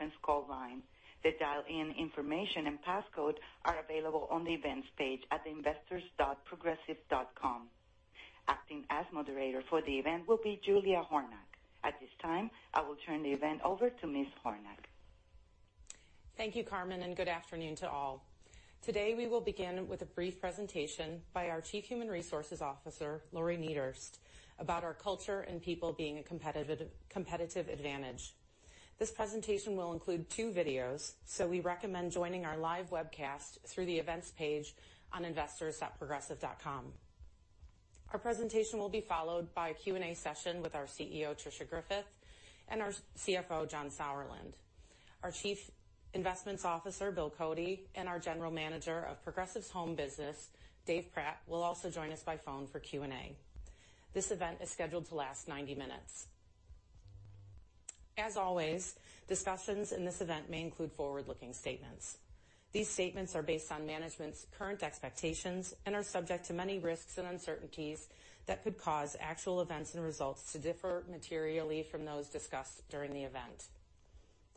Conference call line. The dial-in information and passcode are available on the Events page at investors.progressive.com. Acting as moderator for the event will be Julia Hornack. At this time, I will turn the event over to Ms. Hornack. Thank you, Carmen, and good afternoon to all. Today, we will begin with a brief presentation by our Chief Human Resources Officer, Lori Niederst, about our culture and people being a competitive advantage. This presentation will include two videos. We recommend joining our live webcast through the Events page on investors.progressive.com. Our presentation will be followed by a Q&A session with our CEO, Tricia Griffith, and our CFO, John Sauerland. Our Chief Investments Officer, William Cody, and our General Manager of Progressive's home business, Dave Pratt, will also join us by phone for Q&A. This event is scheduled to last 90 minutes. As always, discussions in this event may include forward-looking statements. These statements are based on management's current expectations and are subject to many risks and uncertainties that could cause actual events and results to differ materially from those discussed during the event.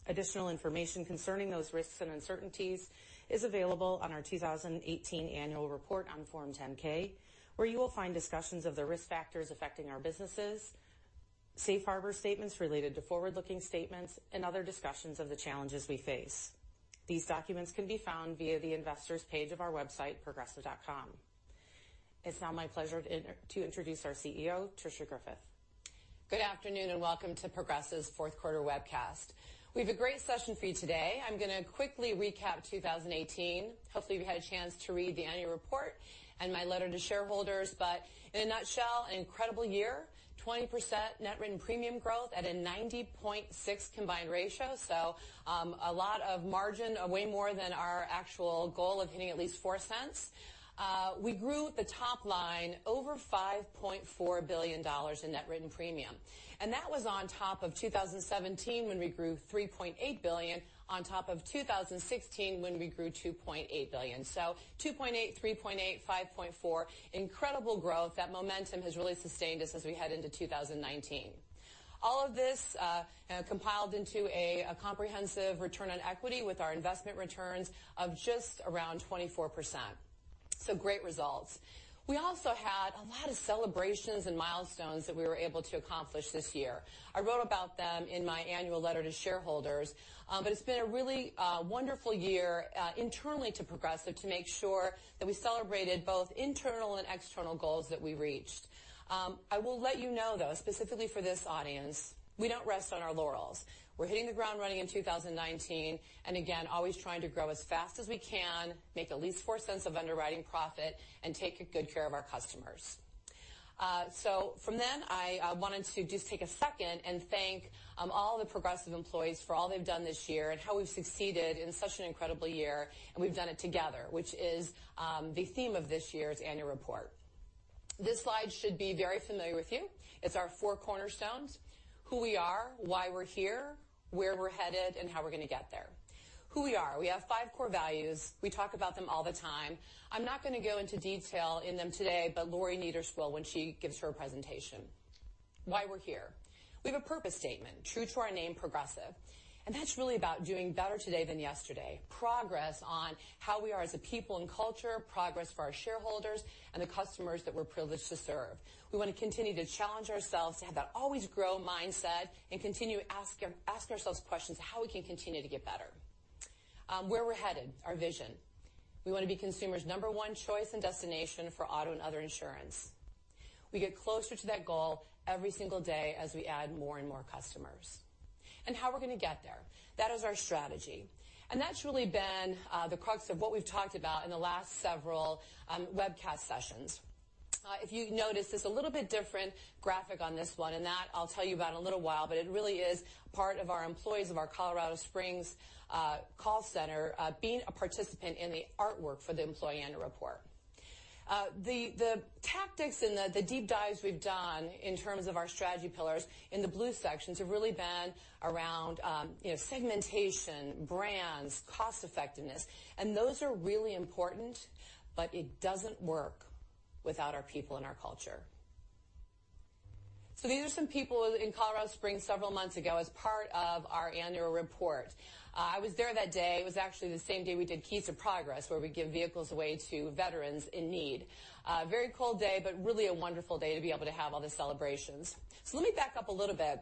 Additional information concerning those risks and uncertainties is available on our 2018 annual report on Form 10-K, where you will find discussions of the risk factors affecting our businesses, safe harbor statements related to forward-looking statements, and other discussions of the challenges we face. These documents can be found via the Investors page of our website, progressive.com. It's now my pleasure to introduce our CEO, Tricia Griffith. Good afternoon and welcome to Progressive's fourth quarter webcast. We have a great session for you today. I'm going to quickly recap 2018. Hopefully, you've had a chance to read the annual report and my letter to shareholders. In a nutshell, an incredible year, 20% net written premium growth at a 90.6 combined ratio. A lot of margin, way more than our actual goal of hitting at least $0.04. We grew the top line over $5.4 billion in net written premium, and that was on top of 2017, when we grew $3.8 billion on top of 2016, when we grew $2.8 billion. $2.8 billion, $3.8 billion, $5.4 billion, incredible growth. That momentum has really sustained us as we head into 2019. All of this compiled into a comprehensive return on equity with our investment returns of just around 24%. Great results. We also had a lot of celebrations and milestones that we were able to accomplish this year. I wrote about them in my annual letter to shareholders, but it's been a really wonderful year internally to Progressive to make sure that we celebrated both internal and external goals that we reached. I will let you know, though, specifically for this audience, we don't rest on our laurels. We're hitting the ground running in 2019, always trying to grow as fast as we can, make at least $0.04 of underwriting profit and take good care of our customers. From them, I wanted to just take a second and thank all the Progressive employees for all they've done this year and how we've succeeded in such an incredible year. We've done it together, which is the theme of this year's annual report. This slide should be very familiar with you. It's our four cornerstones, who we are, why we're here, where we're headed, and how we're going to get there. Who we are. We have five core values. We talk about them all the time. I'm not going to go into detail in them today, but Lori Niederst will when she gives her presentation. Why we're here. We have a purpose statement true to our name, Progressive, that's really about doing better today than yesterday. Progress on how we are as a people and culture, progress for our shareholders and the customers that we're privileged to serve. We want to continue to challenge ourselves to have that always grow mindset and continue asking ourselves questions how we can continue to get better. Where we're headed, our vision. We want to be consumers' number one choice and destination for auto and other insurance. We get closer to that goal every single day as we add more and more customers. How we're going to get there. That is our strategy, that's really been the crux of what we've talked about in the last several webcast sessions. If you notice, there's a little bit different graphic on this one, that I'll tell you about in a little while, but it really is part of our employees of our Colorado Springs call center being a participant in the artwork for the employee annual report. The tactics and the deep dives we've done in terms of our strategy pillars in the blue sections have really been around segmentation, brands, cost effectiveness, those are really important, but it doesn't work without our people and our culture. These are some people in Colorado Springs several months ago as part of our annual report. I was there that day. It was actually the same day we did Keys to Progress, where we give vehicles away to veterans in need. A very cold day, but really a wonderful day to be able to have all the celebrations. Let me back up a little bit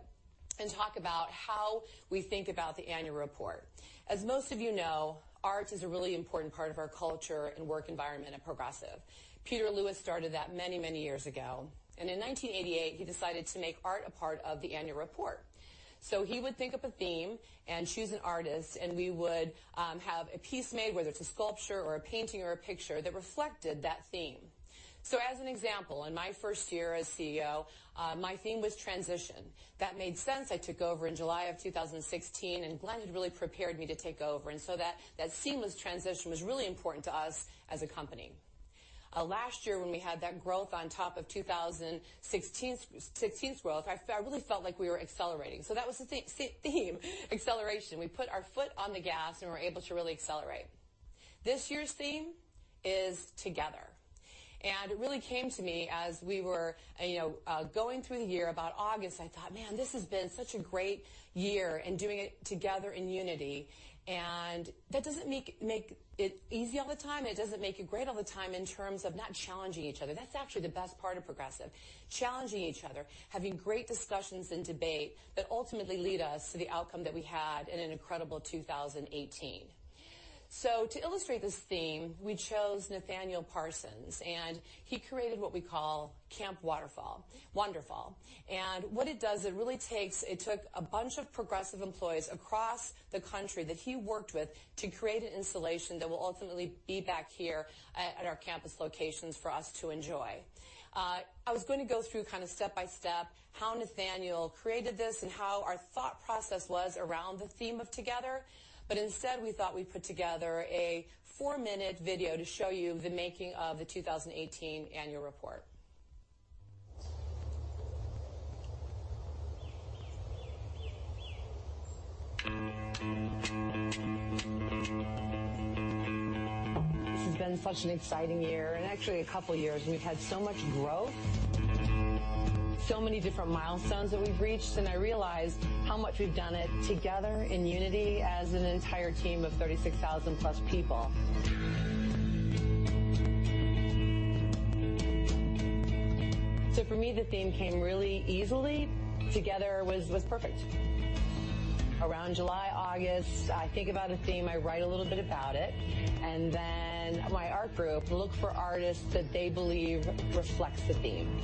and talk about how we think about the annual report. As most of you know, art is a really important part of our culture and work environment at Progressive. Peter Lewis started that many, many years ago, in 1988, he decided to make art a part of the annual report. He would think up a theme and choose an artist, we would have a piece made, whether it's a sculpture or a painting or a picture, that reflected that theme. As an example, in my first year as CEO, my theme was transition. That made sense. I took over in July of 2016, and Glenn had really prepared me to take over, that seamless transition was really important to us as a company. Last year when we had that growth on top of 2016's growth, I really felt like we were accelerating. That was the theme, acceleration. We put our foot on the gas, and we were able to really accelerate. This year's theme is Together. It really came to me as we were going through the year, about August, I thought, "Man, this has been such a great year in doing it together in unity." That doesn't make it easy all the time. It doesn't make it great all the time in terms of not challenging each other. That's actually the best part of Progressive, challenging each other, having great discussions and debate that ultimately lead us to the outcome that we had in an incredible 2018. To illustrate this theme, we chose Nathaniel Parsons, and he created what we call Camp Waterfall. Wonderful. What it does, it took a bunch of Progressive employees across the country that he worked with to create an installation that will ultimately be back here at our campus locations for us to enjoy. I was going to go through step by step how Nathaniel created this and how our thought process was around the theme of Together. Instead, we thought we'd put together a four-minute video to show you the making of the 2018 annual report. This has been such an exciting year and actually a couple of years, we've had so much growth, so many different milestones that we've reached, and I realize how much we've done it together in unity as an entire team of 36,000 plus people. For me, the theme came really easily. Together was perfect. Around July, August, I think about a theme, I write a little bit about it, then my art group look for artists that they believe reflects the theme.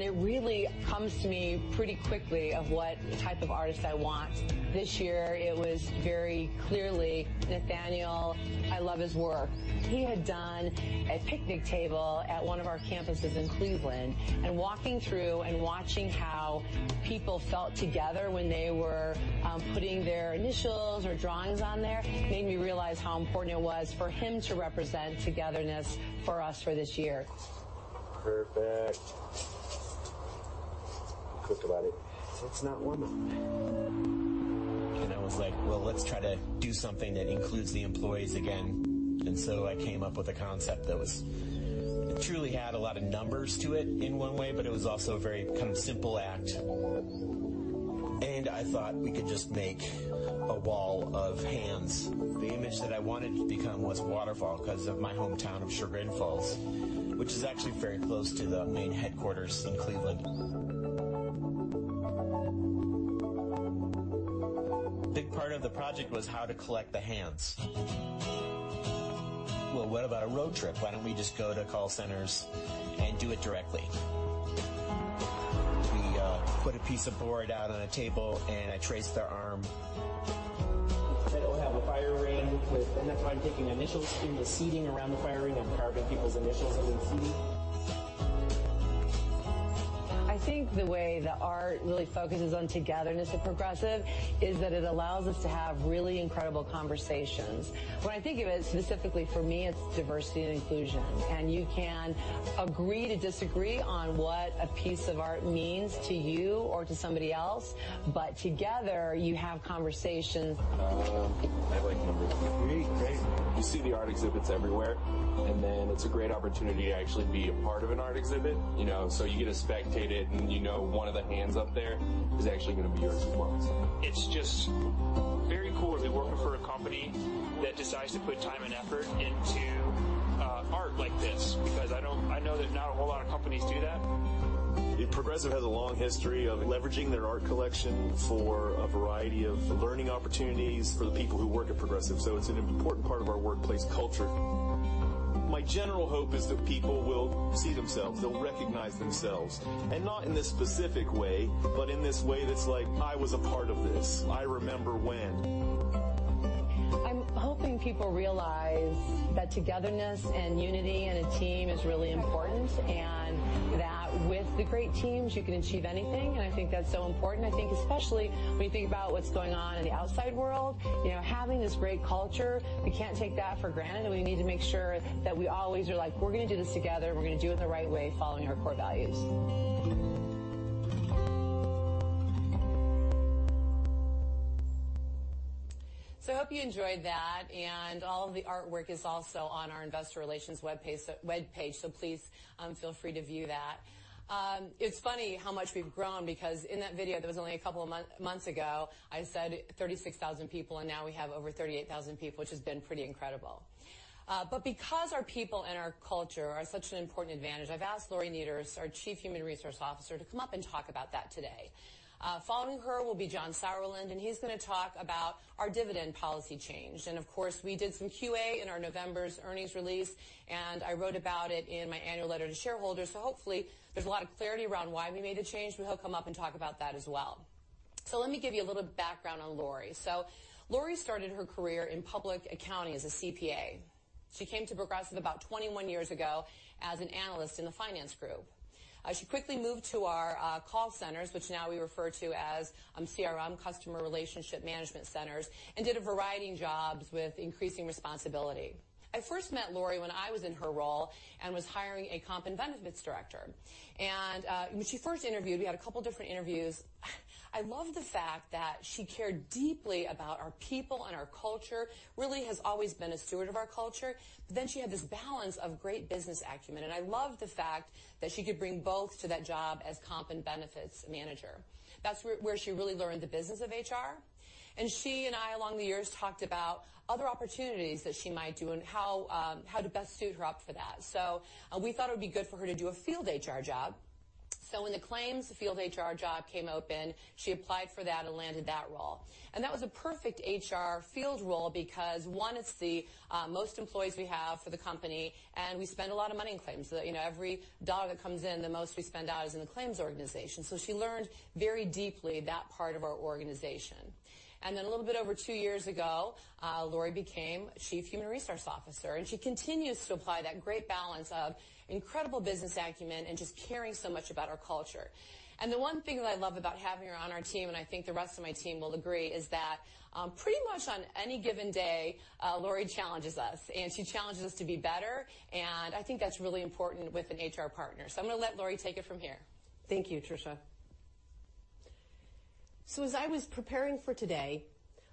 It really comes to me pretty quickly of what type of artist I want. This year it was very clearly Nathaniel. I love his work. He had done a picnic table at one of our campuses in Cleveland, walking through and watching how people felt together when they were putting their initials or drawings on there made me realize how important it was for him to represent togetherness for us for this year. Perfect. Think about it. It's not woman. I was like, "Well, let's try to do something that includes the employees again." I came up with a concept that truly had a lot of numbers to it in one way, but it was also a very simple act. I thought we could just make a wall of hands. The image that I wanted it to become was Waterfall because of my hometown of Chagrin Falls, which is actually very close to the main headquarters in Cleveland. A big part of the project was how to collect the hands. Well, what about a road trip? Why don't we just go to call centers and do it directly? We put a piece of board out on a table and I traced their arm. It'll have a fire ring. That's why I'm taking initials in the seating around the fire ring. I'm carving people's initials that we've seen. I think the way the art really focuses on togetherness at Progressive is that it allows us to have really incredible conversations. When I think of it specifically for me, it's diversity and inclusion, and you can agree to disagree on what a piece of art means to you or to somebody else, but together you have conversations. I like numbers. Great. You see the art exhibits everywhere, then it's a great opportunity to actually be a part of an art exhibit, you get to spectate it and you know one of the hands up there is actually going to be yours as well. It's just very cool to be working for a company that decides to put time and effort into art like this, because I know that not a whole lot of companies do that. Progressive has a long history of leveraging their art collection for a variety of learning opportunities for the people who work at Progressive. It's an important part of our workplace culture. My general hope is that people will see themselves, they'll recognize themselves, and not in a specific way, but in this way that's like, "I was a part of this. I remember when. I'm hoping people realize that togetherness and unity in a team is really important, and that with the great teams, you can achieve anything, and I think that's so important. I think especially when you think about what's going on in the outside world, having this great culture, we can't take that for granted, and we need to make sure that we always are like, "We're going to do this together. We're going to do it the right way, following our core values." I hope you enjoyed that, and all of the artwork is also on our investor relations webpage, please feel free to view that. It's funny how much we've grown because in that video, that was only a couple of months ago, I said 36,000 people, and now we have over 38,000 people, which has been pretty incredible. Because our people and our culture are such an important advantage, I've asked Lori Niederst, our Chief Human Resources Officer, to come up and talk about that today. Following her will be John Sauerland, and he's going to talk about our dividend policy change. Of course, we did some QA in our November's earnings release, and I wrote about it in my annual letter to shareholders. Hopefully, there's a lot of clarity around why we made the change, but he'll come up and talk about that as well. Let me give you a little background on Lori. Lori started her career in public accounting as a CPA. She came to Progressive about 21 years ago as an analyst in the finance group. She quickly moved to our call centers, which now we refer to as CRM, customer relationship management centers, and did a variety of jobs with increasing responsibility. I first met Lori when I was in her role and was hiring a comp and benefits director. When she first interviewed, we had a couple of different interviews. I love the fact that she cared deeply about our people and our culture, really has always been a steward of our culture, she had this balance of great business acumen, and I love the fact that she could bring both to that job as comp and benefits manager. That's where she really learned the business of HR. She and I, along the years, talked about other opportunities that she might do and how to best suit her up for that. We thought it would be good for her to do a field HR job. When the claims field HR job came open, she applied for that and landed that role. That was a perfect HR field role because one, it's the most employees we have for the company, and we spend a lot of money in claims. Every dollar that comes in, the most we spend out is in the claims organization. She learned very deeply that part of our organization. A little bit over two years ago, Lori became Chief Human Resources Officer, and she continues to apply that great balance of incredible business acumen and just caring so much about our culture. The one thing that I love about having her on our team, and I think the rest of my team will agree, is that pretty much on any given day, Lori challenges us, and she challenges us to be better, and I think that's really important with an HR partner. I'm going to let Lori take it from here. Thank you, Tricia. As I was preparing for today,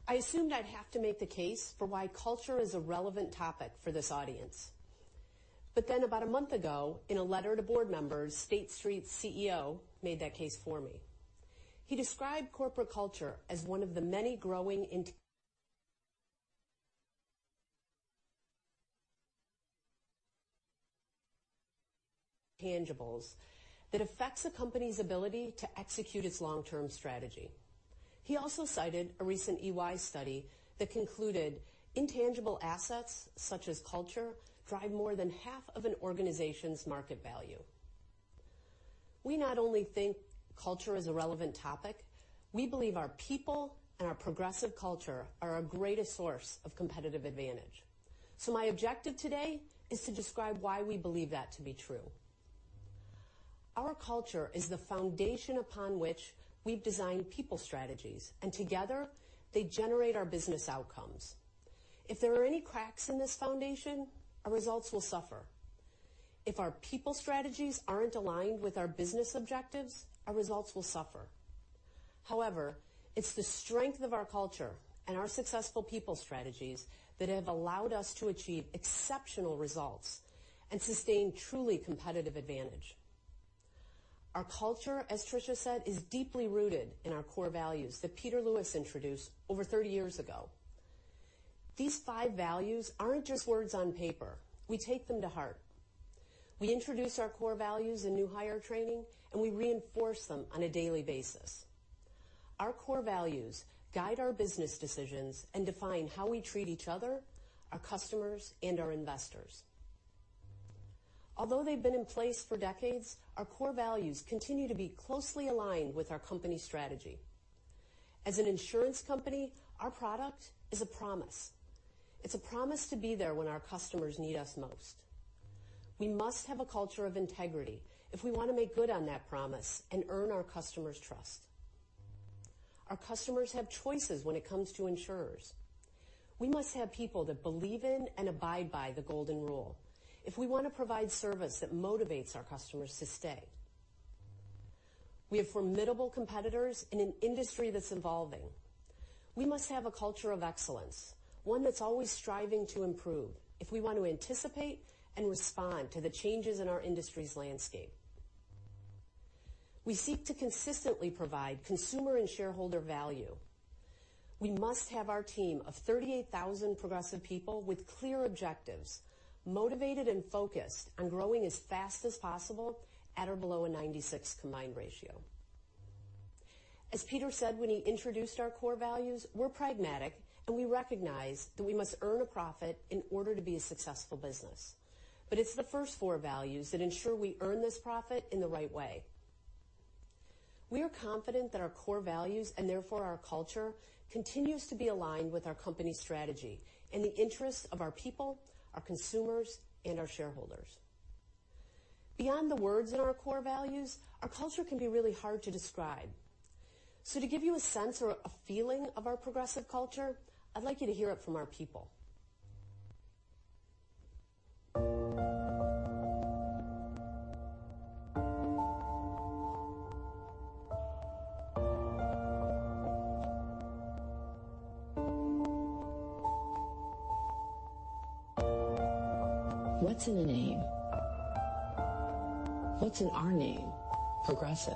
I assumed I'd have to make the case for why culture is a relevant topic for this audience. About a month ago, in a letter to board members, State Street's CEO made that case for me. He described corporate culture as one of the many growing intangibles that affects a company's ability to execute its long-term strategy. He also cited a recent EY study that concluded intangible assets, such as culture, drive more than half of an organization's market value. We not only think culture is a relevant topic, we believe our people and our Progressive culture are our greatest source of competitive advantage. My objective today is to describe why we believe that to be true. Our culture is the foundation upon which we've designed people strategies, and together they generate our business outcomes. If there are any cracks in this foundation, our results will suffer. If our people strategies aren't aligned with our business objectives, our results will suffer. It's the strength of our culture and our successful people strategies that have allowed us to achieve exceptional results and sustain truly competitive advantage. Our culture, as Tricia said, is deeply rooted in our core values that Peter Lewis introduced over 30 years ago. These five values aren't just words on paper. We take them to heart. We introduce our core values in new hire training, and we reinforce them on a daily basis. Our core values guide our business decisions and define how we treat each other, our customers, and our investors. Although they've been in place for decades, our core values continue to be closely aligned with our company strategy. As an insurance company, our product is a promise. It's a promise to be there when our customers need us most. We must have a culture of integrity if we want to make good on that promise and earn our customers' trust. Our customers have choices when it comes to insurers. We must have people that believe in and abide by the golden rule if we want to provide service that motivates our customers to stay. We have formidable competitors in an industry that's evolving. We must have a culture of excellence, one that's always striving to improve if we want to anticipate and respond to the changes in our industry's landscape. We seek to consistently provide consumer and shareholder value. We must have our team of 38,000 Progressive people with clear objectives, motivated and focused on growing as fast as possible at or below a 96 combined ratio. As Peter said when he introduced our core values, we're pragmatic. We recognize that we must earn a profit in order to be a successful business. It's the first four values that ensure we earn this profit in the right way. We are confident that our core values, and therefore our culture, continues to be aligned with our company strategy in the interests of our people, our consumers, and our shareholders. Beyond the words in our core values, our culture can be really hard to describe. To give you a sense or a feeling of our Progressive culture, I'd like you to hear it from our people. What's in a name? What's in our name, Progressive?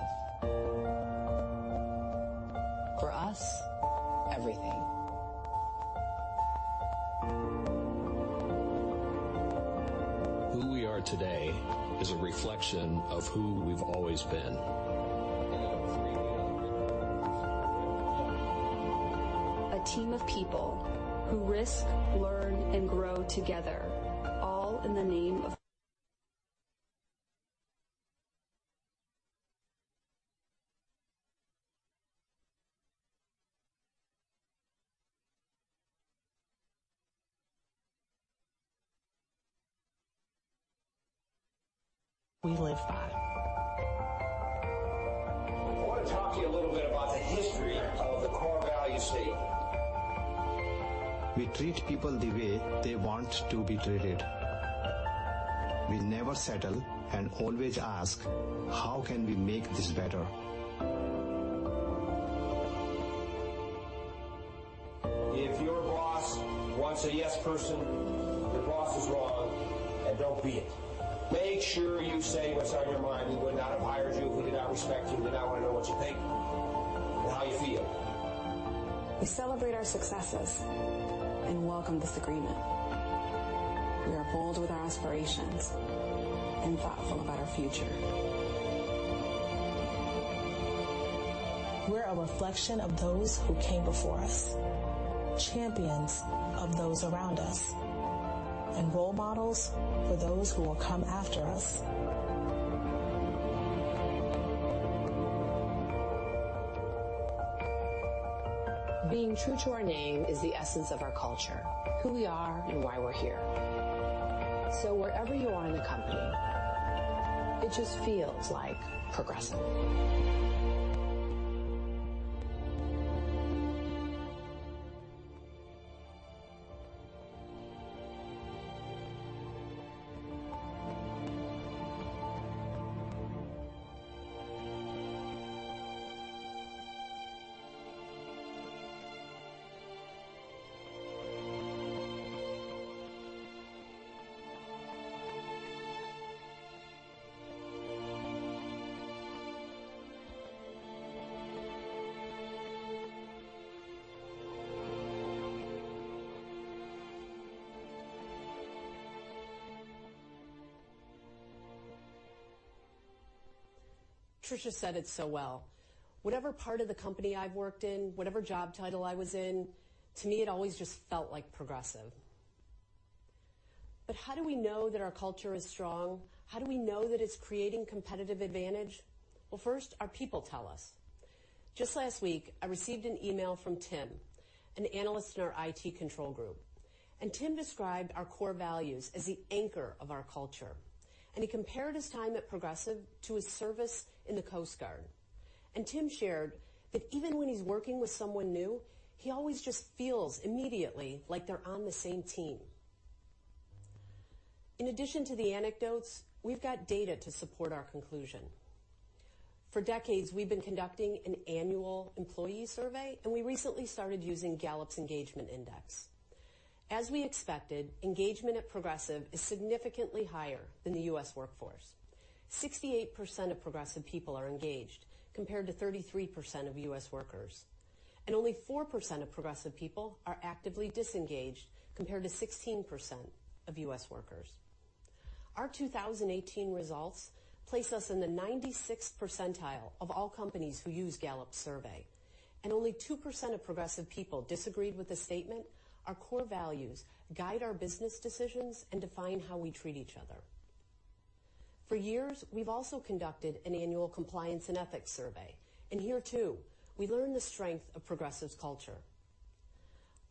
For us, everything. Who we are today is a reflection of who we've always been. A team of people who risk, learn, and grow together, all in the name of We live five. I want to talk to you a little bit about the history of the core value suite We treat people the way they want to be treated. We never settle and always ask, "How can we make this better? If your boss wants a yes person, your boss is wrong, don't be it. Make sure you say what's on your mind. We would not have hired you if we did not respect you. We would not want to know what you think and how you feel. We celebrate our successes and welcome disagreement. We are bold with our aspirations and thoughtful about our future. We're a reflection of those who came before us, champions of those around us, and role models for those who will come after us. Being true to our name is the essence of our culture, who we are, and why we're here. Wherever you are in the company, it just feels like Progressive. Tricia said it so well. Whatever part of the company I've worked in, whatever job title I was in, to me, it always just felt like Progressive. How do we know that our culture is strong? How do we know that it's creating competitive advantage? Well, first, our people tell us. Just last week, I received an email from Tim, an analyst in our IT control group, Tim described our core values as the anchor of our culture, and he compared his time at Progressive to his service in the Coast Guard. Tim shared that even when he's working with someone new, he always just feels immediately like they're on the same team. In addition to the anecdotes, we've got data to support our conclusion. For decades, we've been conducting an annual employee survey. We recently started using Gallup's Engagement Index. As we expected, engagement at Progressive is significantly higher than the U.S. workforce. 68% of Progressive people are engaged, compared to 33% of U.S. workers. Only 4% of Progressive people are actively disengaged, compared to 16% of U.S. workers. Our 2018 results place us in the 96th percentile of all companies who use Gallup's survey. Only 2% of Progressive people disagreed with the statement, "Our core values guide our business decisions and define how we treat each other." For years, we've also conducted an annual compliance and ethics survey. Here, too, we learn the strength of Progressive's culture.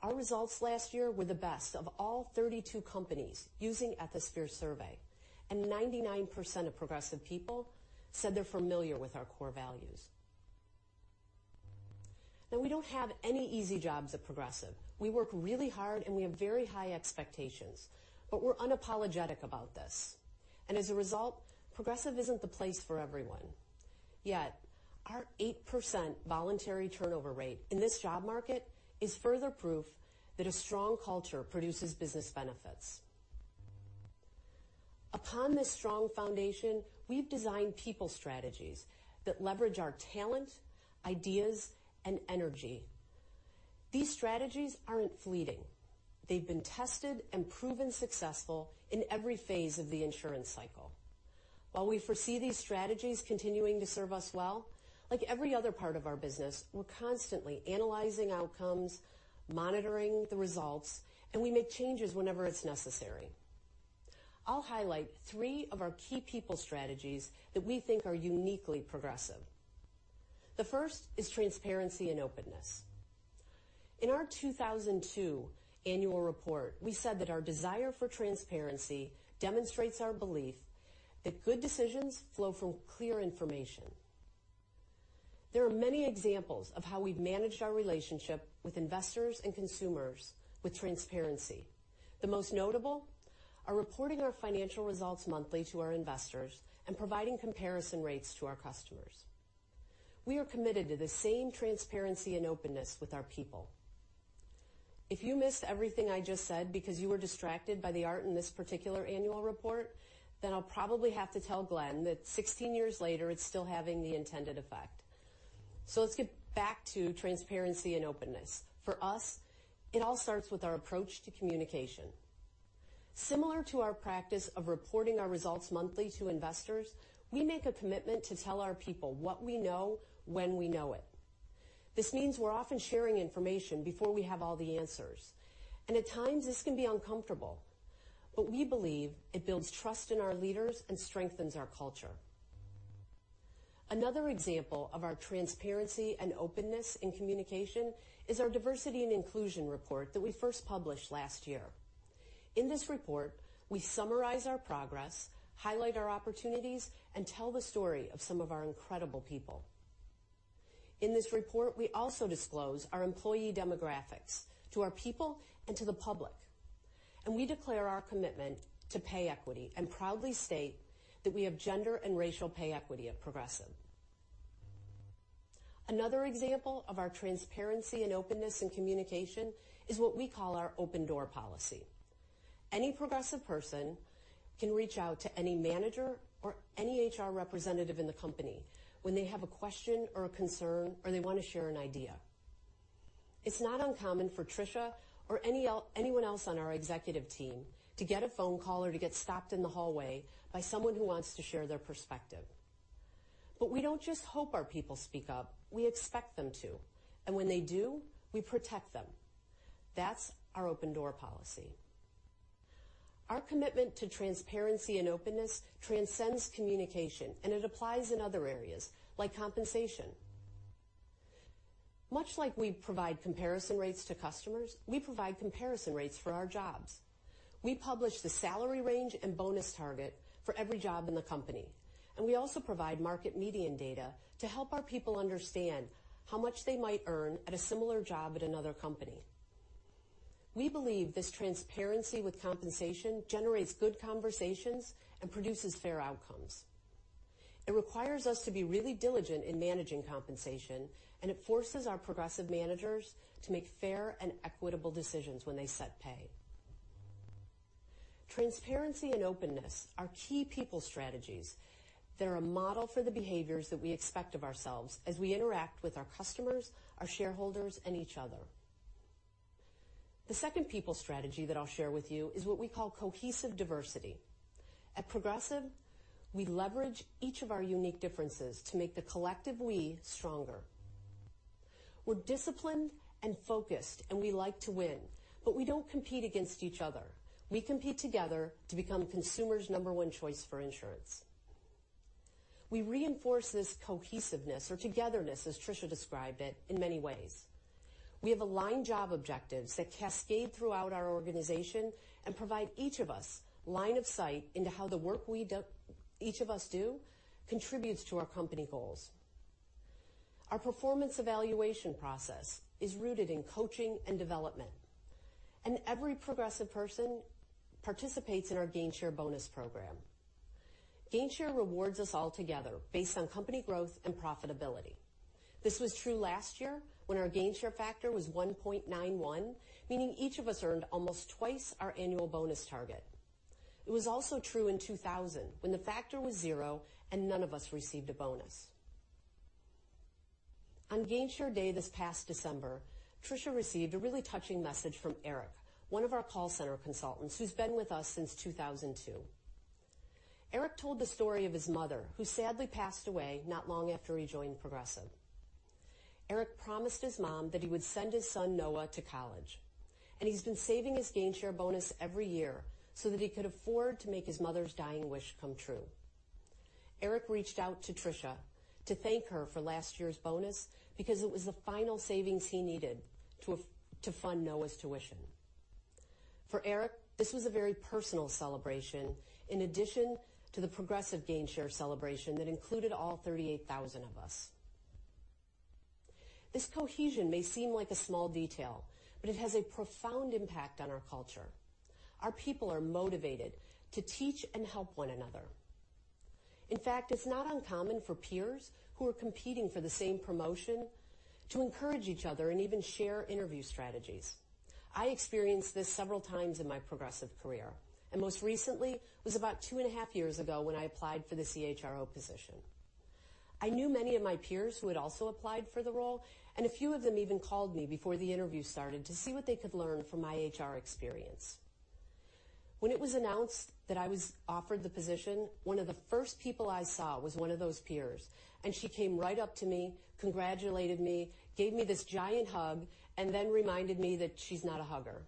Our results last year were the best of all 32 companies using Ethisphere's survey. 99% of Progressive people said they're familiar with our core values. We don't have any easy jobs at Progressive. We work really hard. We have very high expectations. We're unapologetic about this. As a result, Progressive isn't the place for everyone. Our 8% voluntary turnover rate in this job market is further proof that a strong culture produces business benefits. Upon this strong foundation, we've designed people strategies that leverage our talent, ideas, and energy. These strategies aren't fleeting. They've been tested and proven successful in every phase of the insurance cycle. While we foresee these strategies continuing to serve us well, like every other part of our business, we're constantly analyzing outcomes, monitoring the results. We make changes whenever it's necessary. I'll highlight three of our key people strategies that we think are uniquely Progressive. The first is transparency and openness. In our 2002 annual report, we said that our desire for transparency demonstrates our belief that good decisions flow from clear information. There are many examples of how we've managed our relationship with investors and consumers with transparency. The most notable are reporting our financial results monthly to our investors and providing comparison rates to our customers. We are committed to the same transparency and openness with our people. If you missed everything I just said because you were distracted by the art in this particular annual report, I'll probably have to tell Glenn that 16 years later, it's still having the intended effect. Let's get back to transparency and openness. For us, it all starts with our approach to communication. Similar to our practice of reporting our results monthly to investors, we make a commitment to tell our people what we know when we know it. This means we're often sharing information before we have all the answers. At times, this can be uncomfortable. We believe it builds trust in our leaders and strengthens our culture. Another example of our transparency and openness in communication is our diversity and inclusion report that we first published last year. In this report, we summarize our progress, highlight our opportunities. We tell the story of some of our incredible people. In this report, we also disclose our employee demographics to our people and to the public. We declare our commitment to pay equity and proudly state that we have gender and racial pay equity at Progressive. Another example of our transparency and openness in communication is what we call our open door policy. Any Progressive person can reach out to any manager or any HR representative in the company when they have a question or a concern, or they want to share an idea. It's not uncommon for Tricia or anyone else on our executive team to get a phone call or to get stopped in the hallway by someone who wants to share their perspective. We don't just hope our people speak up. We expect them to, and when they do, we protect them. That's our open door policy. Our commitment to transparency and openness transcends communication, and it applies in other areas, like compensation. Much like we provide comparison rates to customers, we provide comparison rates for our jobs. We publish the salary range and bonus target for every job in the company, and we also provide market median data to help our people understand how much they might earn at a similar job at another company. We believe this transparency with compensation generates good conversations and produces fair outcomes. It requires us to be really diligent in managing compensation, and it forces our Progressive managers to make fair and equitable decisions when they set pay. Transparency and openness are key people strategies. They're a model for the behaviors that we expect of ourselves as we interact with our customers, our shareholders, and each other. The second people strategy that I'll share with you is what we call cohesive diversity. At Progressive, we leverage each of our unique differences to make the collective we stronger. We're disciplined and focused, and we like to win, but we don't compete against each other. We compete together to become consumers' number one choice for insurance. We reinforce this cohesiveness or togetherness, as Tricia described it, in many ways. We have aligned job objectives that cascade throughout our organization and provide each of us line of sight into how the work each of us do contributes to our company goals. Our performance evaluation process is rooted in coaching and development, and every Progressive person participates in our Gainshare bonus program. Gainshare rewards us all together based on company growth and profitability. This was true last year when our Gainshare factor was 1.91, meaning each of us earned almost twice our annual bonus target. It was also true in 2000 when the factor was zero and none of us received a bonus. On Gainshare day this past December, Tricia received a really touching message from Eric, one of our call center consultants who's been with us since 2002. Eric told the story of his mother, who sadly passed away not long after he joined Progressive. Eric promised his mom that he would send his son Noah to college, and he's been saving his Gainshare bonus every year so that he could afford to make his mother's dying wish come true. Eric reached out to Tricia to thank her for last year's bonus because it was the final savings he needed to fund Noah's tuition. For Eric, this was a very personal celebration in addition to the Progressive Gainshare celebration that included all 38,000 of us. This cohesion may seem like a small detail, but it has a profound impact on our culture. Our people are motivated to teach and help one another. In fact, it's not uncommon for peers who are competing for the same promotion to encourage each other and even share interview strategies. I experienced this several times in my Progressive career, and most recently was about two and a half years ago when I applied for the CHRO position. I knew many of my peers who had also applied for the role, and a few of them even called me before the interview started to see what they could learn from my HR experience. When it was announced that I was offered the position, one of the first people I saw was one of those peers, and she came right up to me, congratulated me, gave me this giant hug, and then reminded me that she's not a hugger.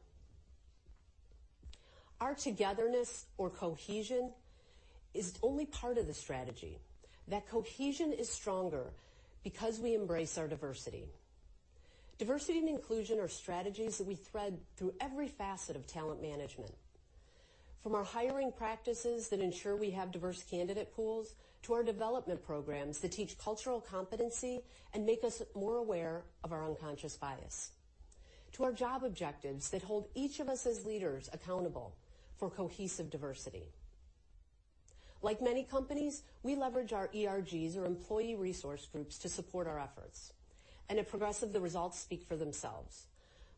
Our togetherness or cohesion is only part of the strategy. That cohesion is stronger because we embrace our diversity. Diversity and inclusion are strategies that we thread through every facet of talent management, from our hiring practices that ensure we have diverse candidate pools, to our development programs that teach cultural competency and make us more aware of our unconscious bias, to our job objectives that hold each of us as leaders accountable for cohesive diversity. Like many companies, we leverage our ERGs or employee resource groups to support our efforts, and at Progressive, the results speak for themselves.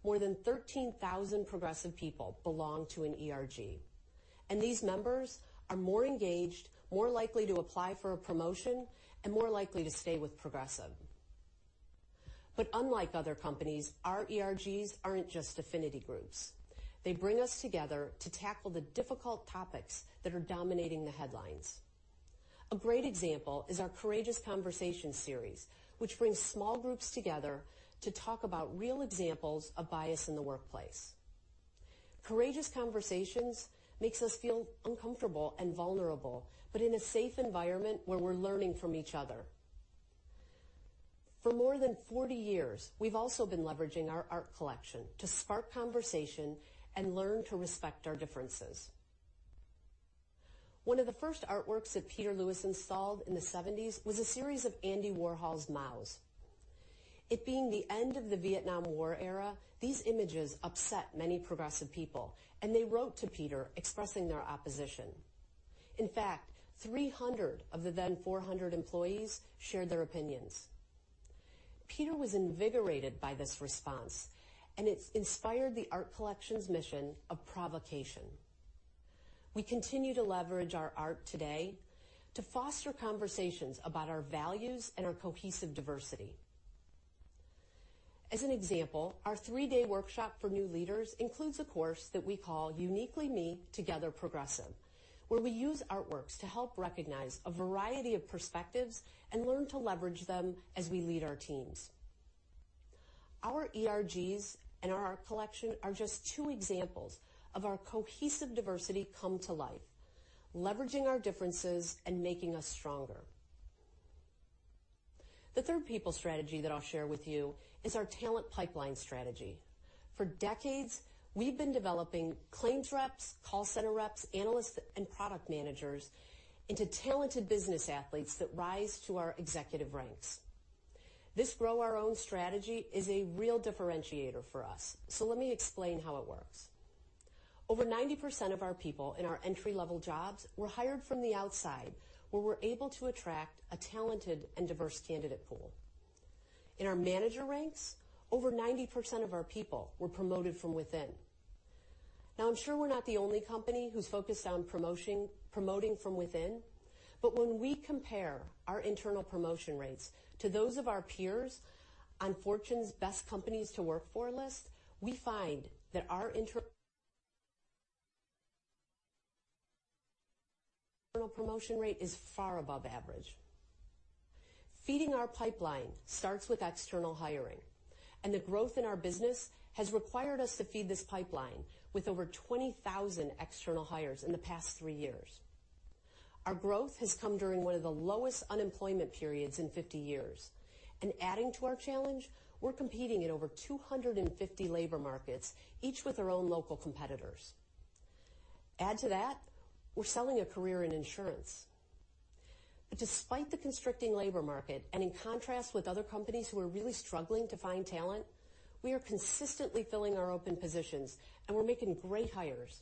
More than 13,000 Progressive people belong to an ERG, and these members are more engaged, more likely to apply for a promotion, and more likely to stay with Progressive. Unlike other companies, our ERGs aren't just affinity groups. They bring us together to tackle the difficult topics that are dominating the headlines. A great example is our Courageous Conversation series, which brings small groups together to talk about real examples of bias in the workplace. Courageous Conversations makes us feel uncomfortable and vulnerable, but in a safe environment where we're learning from each other. For more than 40 years, we've also been leveraging our art collection to spark conversation and learn to respect our differences. One of the first artworks that Peter Lewis installed in the '70s was a series of Andy Warhol's Mao. It being the end of the Vietnam War era, these images upset many Progressive people, and they wrote to Peter expressing their opposition. In fact, 300 of the then 400 employees shared their opinions. Peter was invigorated by this response, it inspired the art collection's mission of provocation. We continue to leverage our art today to foster conversations about our values and our cohesive diversity. As an example, our three-day workshop for new leaders includes a course that we call Uniquely Me, Together Progressive, where we use artworks to help recognize a variety of perspectives and learn to leverage them as we lead our teams. Our ERGs and our art collection are just two examples of our cohesive diversity come to life, leveraging our differences and making us stronger. The third people strategy that I'll share with you is our talent pipeline strategy. For decades, we've been developing claims reps, call center reps, analysts, and product managers into talented business athletes that rise to our executive ranks. This grow-our-own strategy is a real differentiator for us, let me explain how it works. Over 90% of our people in our entry-level jobs were hired from the outside, where we're able to attract a talented and diverse candidate pool. In our manager ranks, over 90% of our people were promoted from within. Now, I'm sure we're not the only company who's focused on promoting from within, but when we compare our internal promotion rates to those of our peers on Fortune's 100 Best Companies to Work For list, we find that our internal promotion rate is far above average. Feeding our pipeline starts with external hiring, and the growth in our business has required us to feed this pipeline with over 20,000 external hires in the past three years. Our growth has come during one of the lowest unemployment periods in 50 years, and adding to our challenge, we're competing in over 250 labor markets, each with their own local competitors. Add to that, we're selling a career in insurance. Despite the constricting labor market, and in contrast with other companies who are really struggling to find talent, we are consistently filling our open positions, and we're making great hires.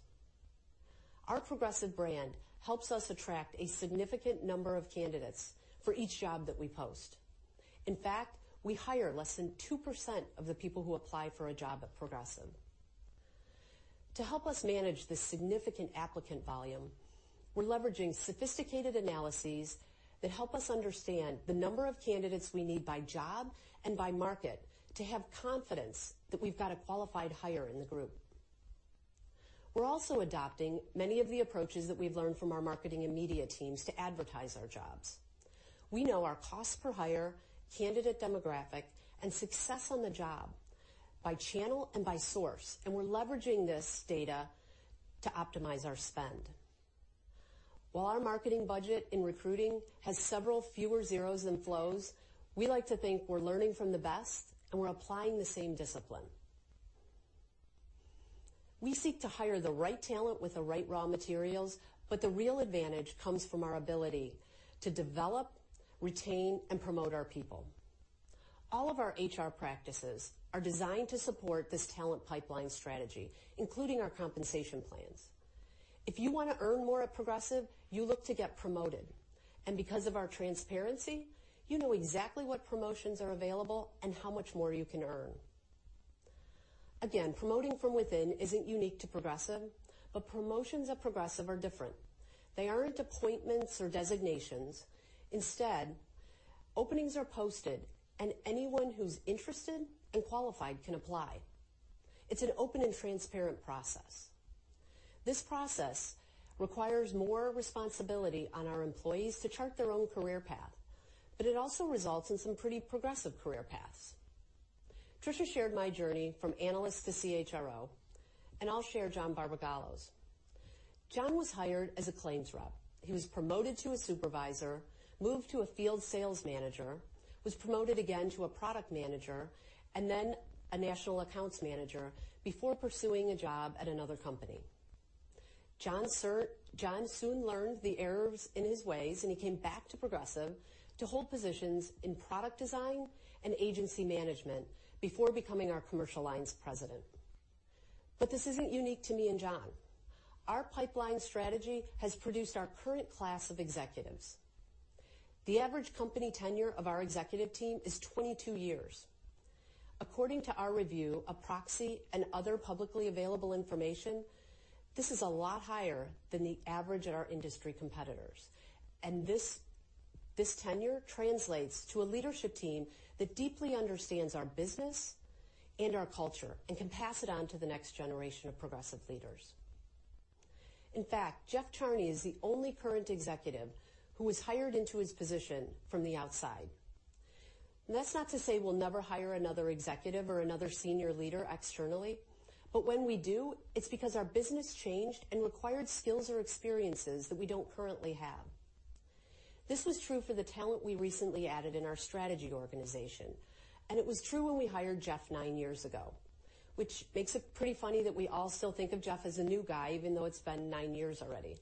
Our Progressive brand helps us attract a significant number of candidates for each job that we post. In fact, we hire less than 2% of the people who apply for a job at Progressive. To help us manage this significant applicant volume, we're leveraging sophisticated analyses that help us understand the number of candidates we need by job and by market to have confidence that we've got a qualified hire in the group. We're also adopting many of the approaches that we've learned from our marketing and media teams to advertise our jobs. We know our cost per hire, candidate demographic, and success on the job by channel and by source, and we're leveraging this data to optimize our spend. While our marketing budget in recruiting has several fewer zeros than Flo's, we like to think we're learning from the best, and we're applying the same discipline. We seek to hire the right talent with the right raw materials, the real advantage comes from our ability to develop, retain, and promote our people. All of our HR practices are designed to support this talent pipeline strategy, including our compensation plans. If you want to earn more at Progressive, you look to get promoted, and because of our transparency, you know exactly what promotions are available and how much more you can earn. Promoting from within isn't unique to Progressive, promotions at Progressive are different. They aren't appointments or designations. Instead, openings are posted, and anyone who's interested and qualified can apply. It's an open and transparent process. This process requires more responsibility on our employees to chart their own career path, but it also results in some pretty Progressive career paths. Tricia shared my journey from analyst to CHRO, and I'll share John Barbagallo's. John was hired as a claims rep. He was promoted to a supervisor, moved to a field sales manager, was promoted again to a product manager, and then a national accounts manager before pursuing a job at another company. John soon learned the errors in his ways, and he came back to Progressive to hold positions in product design and agency management before becoming our commercial lines president. This isn't unique to me and John. Our pipeline strategy has produced our current class of executives. The average company tenure of our executive team is 22 years. According to our review of proxy and other publicly available information, this is a lot higher than the average at our industry competitors. This tenure translates to a leadership team that deeply understands our business and our culture and can pass it on to the next generation of Progressive leaders. In fact, Jeff Charney is the only current executive who was hired into his position from the outside. That's not to say we'll never hire another executive or another senior leader externally, but when we do, it's because our business changed and required skills or experiences that we don't currently have. This was true for the talent we recently added in our strategy organization. It was true when we hired Jeff nine years ago, which makes it pretty funny that we all still think of Jeff as a new guy even though it's been nine years already.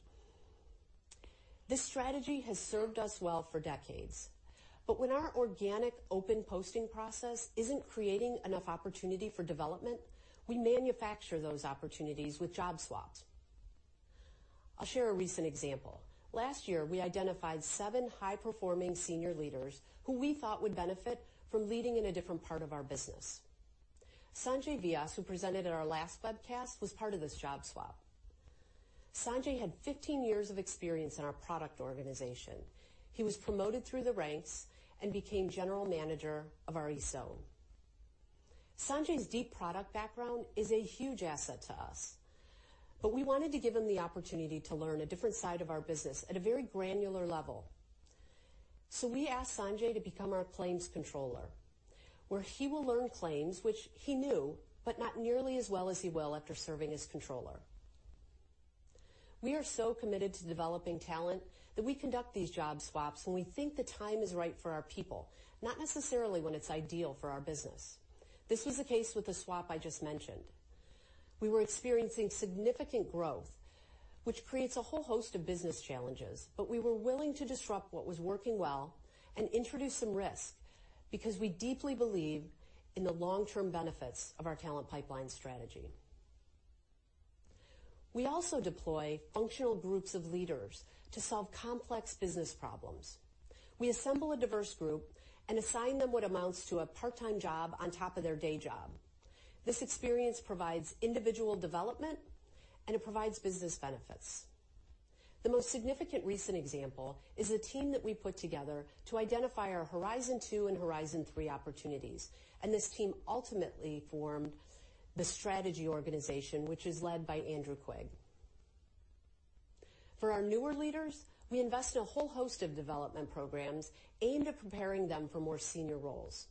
This strategy has served us well for decades, when our organic open posting process isn't creating enough opportunity for development, we manufacture those opportunities with job swaps. I'll share a recent example. Last year, we identified seven high-performing senior leaders who we thought would benefit from leading in a different part of our business. Sanjay Vyas, who presented at our last webcast, was part of this job swap. Sanjay had 15 years of experience in our product organization. He was promoted through the ranks and became General Manager of our ESOL. Sanjay's deep product background is a huge asset to us. We wanted to give him the opportunity to learn a different side of our business at a very granular level. We asked Sanjay to become our claims controller, where he will learn claims, which he knew, but not nearly as well as he will after serving as controller. We are so committed to developing talent that we conduct these job swaps when we think the time is right for our people, not necessarily when it's ideal for our business. This was the case with the swap I just mentioned. We were experiencing significant growth, which creates a whole host of business challenges, but we were willing to disrupt what was working well and introduce some risk because we deeply believe in the long-term benefits of our talent pipeline strategy. We also deploy functional groups of leaders to solve complex business problems. We assemble a diverse group and assign them what amounts to a part-time job on top of their day job. This experience provides individual development, and it provides business benefits. The most significant recent example is a team that we put together to identify our Horizon 2 and Horizon 3 opportunities. This team ultimately formed the strategy organization, which is led by Andrew Quigg. For our newer leaders, we invest in a whole host of development programs aimed at preparing them for more senior roles.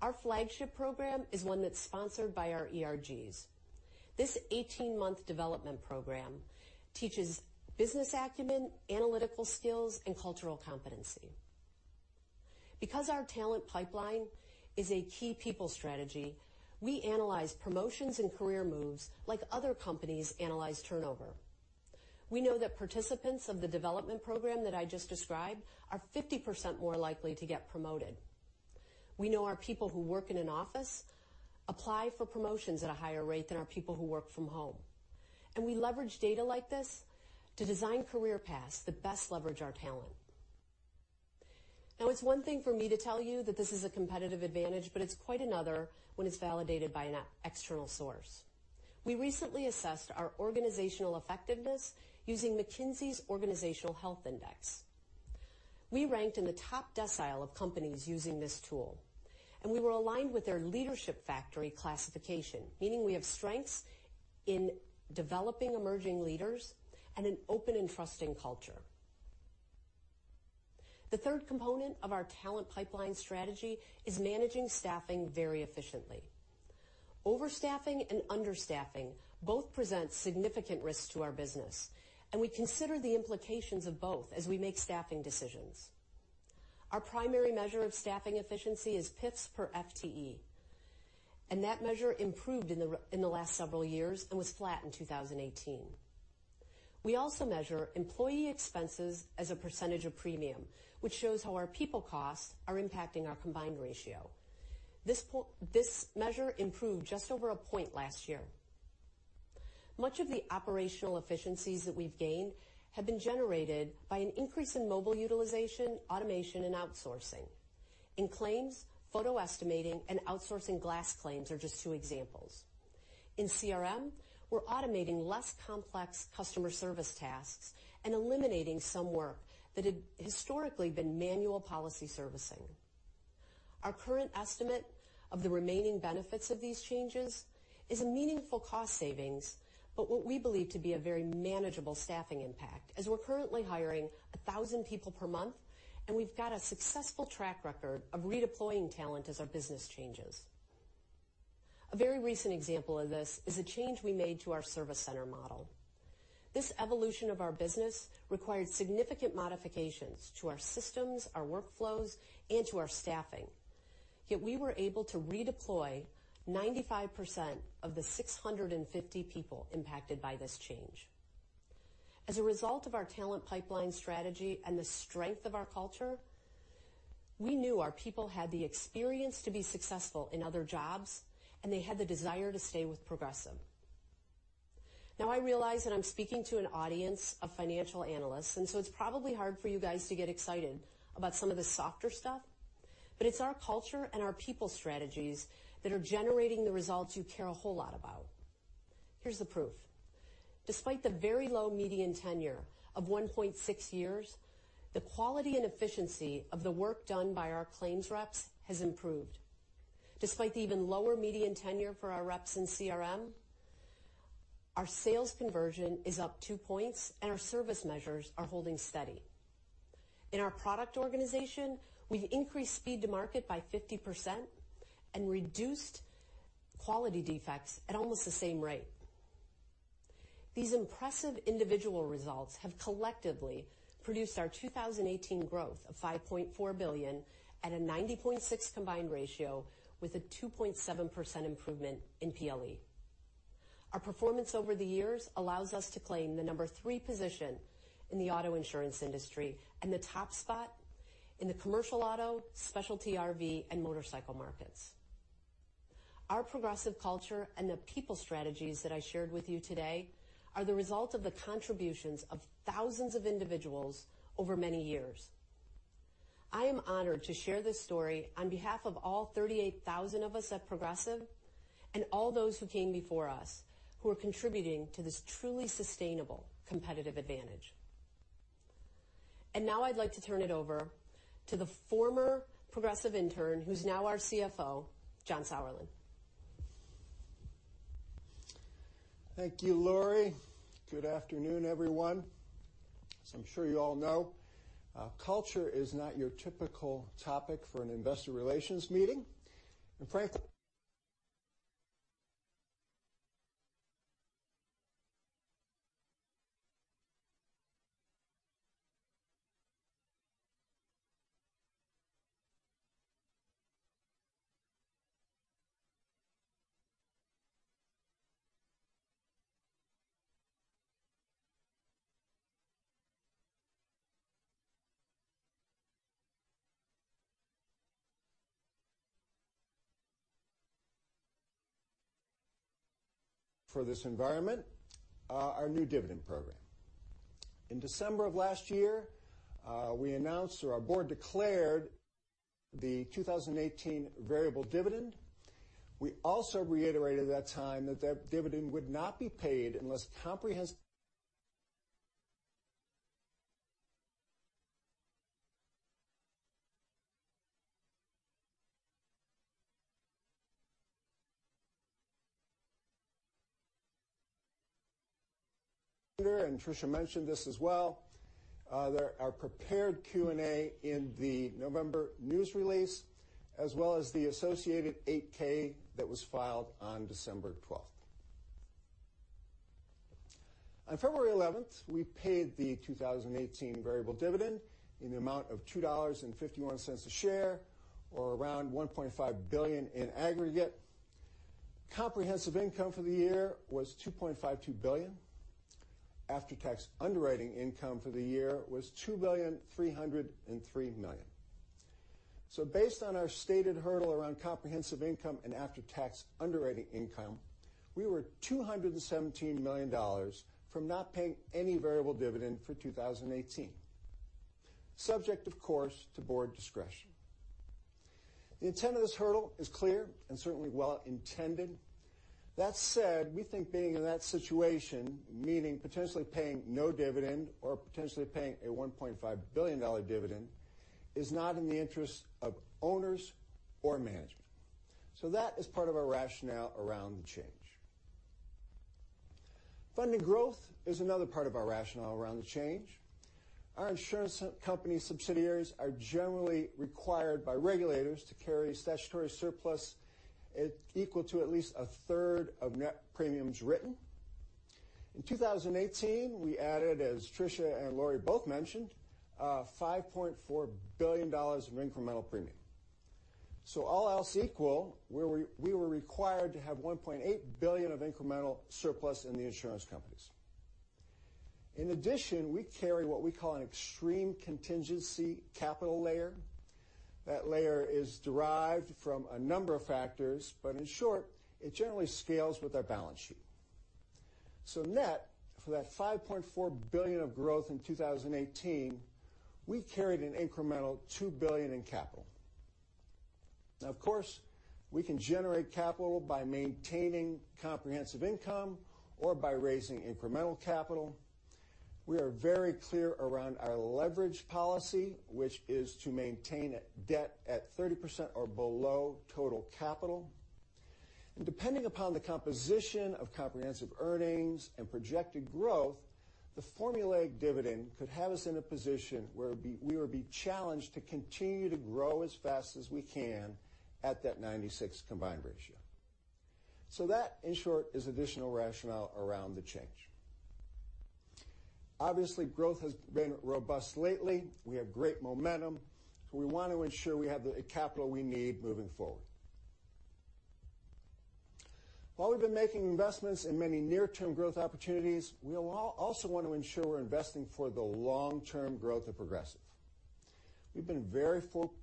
Our flagship program is one that's sponsored by our ERGs. This 18-month development program teaches business acumen, analytical skills, and cultural competency. Because our talent pipeline is a key people strategy, we analyze promotions and career moves like other companies analyze turnover. We know that participants of the development program that I just described are 50% more likely to get promoted. We know our people who work in an office apply for promotions at a higher rate than our people who work from home. We leverage data like this to design career paths that best leverage our talent. It's one thing for me to tell you that this is a competitive advantage, but it's quite another when it's validated by an external source. We recently assessed our organizational effectiveness using McKinsey's Organizational Health Index. We ranked in the top decile of companies using this tool, and we were aligned with their leadership factory classification, meaning we have strengths in developing emerging leaders and an open and trusting culture. The third component of our talent pipeline strategy is managing staffing very efficiently. Overstaffing and understaffing both present significant risks to our business. We consider the implications of both as we make staffing decisions. Our primary measure of staffing efficiency is PIFs per FTE, and that measure improved in the last several years and was flat in 2018. We also measure employee expenses as a % of premium, which shows how our people costs are impacting our combined ratio. This measure improved just over a point last year. Much of the operational efficiencies that we've gained have been generated by an increase in mobile utilization, automation, and outsourcing. In claims, photo estimating and outsourcing glass claims are just two examples. In CRM, we're automating less complex customer service tasks and eliminating some work that had historically been manual policy servicing. Our current estimate of the remaining benefits of these changes is a meaningful cost savings, but what we believe to be a very manageable staffing impact, as we're currently hiring 1,000 people per month, and we've got a successful track record of redeploying talent as our business changes. A very recent example of this is a change we made to our service center model. This evolution of our business required significant modifications to our systems, our workflows, and to our staffing. Yet we were able to redeploy 95% of the 650 people impacted by this change. As a result of our talent pipeline strategy and the strength of our culture, we knew our people had the experience to be successful in other jobs, and they had the desire to stay with Progressive. I realize that I'm speaking to an audience of financial analysts, so it's probably hard for you guys to get excited about some of the softer stuff, it's our culture and our people strategies that are generating the results you care a whole lot about. Here's the proof. Despite the very low median tenure of 1.6 years, the quality and efficiency of the work done by our claims reps has improved. Despite the even lower median tenure for our reps in CRM, our sales conversion is up two points, and our service measures are holding steady. In our product organization, we've increased speed to market by 50% and reduced quality defects at almost the same rate. These impressive individual results have collectively produced our 2018 growth of $5.4 billion at a 90.6 combined ratio with a 2.7% improvement in PLE. Our performance over the years allows us to claim the number three position in the auto insurance industry and the top spot in the commercial auto, specialty RV, and motorcycle markets. Our Progressive culture and the people strategies that I shared with you today are the result of the contributions of thousands of individuals over many years. I am honored to share this story on behalf of all 38,000 of us at Progressive and all those who came before us, who are contributing to this truly sustainable competitive advantage. Now I'd like to turn it over to the former Progressive intern who's now our CFO, John Sauerland. Thank you, Lori. Good afternoon, everyone. As I'm sure you all know, culture is not your typical topic for an investor relations meeting. Frankly for this environment, our new dividend program. In December of last year, we announced, or our board declared, the 2018 variable dividend. We also reiterated at that time that that dividend would not be paid unless comprehensive and Tricia mentioned this as well, there are prepared Q&A in the November news release, as well as the associated 8-K that was filed on December 12th. On February 11th, we paid the 2018 variable dividend in the amount of $2.51 a share, or around $1.5 billion in aggregate. Comprehensive income for the year was $2.52 billion. After-tax underwriting income for the year was $2.303 billion. Based on our stated hurdle around comprehensive income and after-tax underwriting income, we were $217 million from not paying any variable dividend for 2018, subject, of course, to board discretion. The intent of this hurdle is clear and certainly well-intended. That said, we think being in that situation, meaning potentially paying no dividend or potentially paying a $1.5 billion dividend, is not in the interest of owners or management. That is part of our rationale around the change. Funding growth is another part of our rationale around the change. Our insurance company subsidiaries are generally required by regulators to carry statutory surplus equal to at least a third of net premiums written. In 2018, we added, as Tricia and Lori both mentioned, $5.4 billion of incremental premium. All else equal, we were required to have $1.8 billion of incremental surplus in the insurance companies. In addition, we carry what we call an extreme contingency capital layer. That layer is derived from a number of factors, but in short, it generally scales with our balance sheet. Net, for that $5.4 billion of growth in 2018, we carried an incremental $2 billion in capital. Of course, we can generate capital by maintaining comprehensive income or by raising incremental capital. We are very clear around our leverage policy, which is to maintain debt at 30% or below total capital. Depending upon the composition of comprehensive earnings and projected growth, the formulaic dividend could have us in a position where we would be challenged to continue to grow as fast as we can at that 96 combined ratio. That, in short, is additional rationale around the change. Obviously, growth has been robust lately. We have great momentum. We want to ensure we have the capital we need moving forward. While we've been making investments in many near-term growth opportunities, we also want to ensure we're investing for the long-term growth of Progressive. We've been very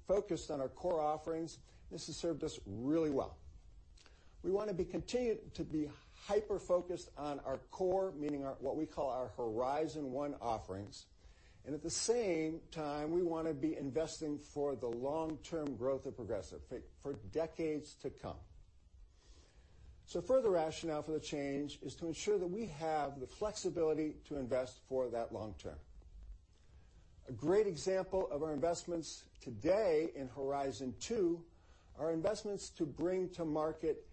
focused on our core offerings. This has served us really well. We want to continue to be hyper-focused on our core, meaning what we call our Horizon One offerings. At the same time, we want to be investing for the long-term growth of Progressive for decades to come. Further rationale for the change is to ensure that we have the flexibility to invest for that long term. A great example of our investments today in Horizon Two are investments to bring to market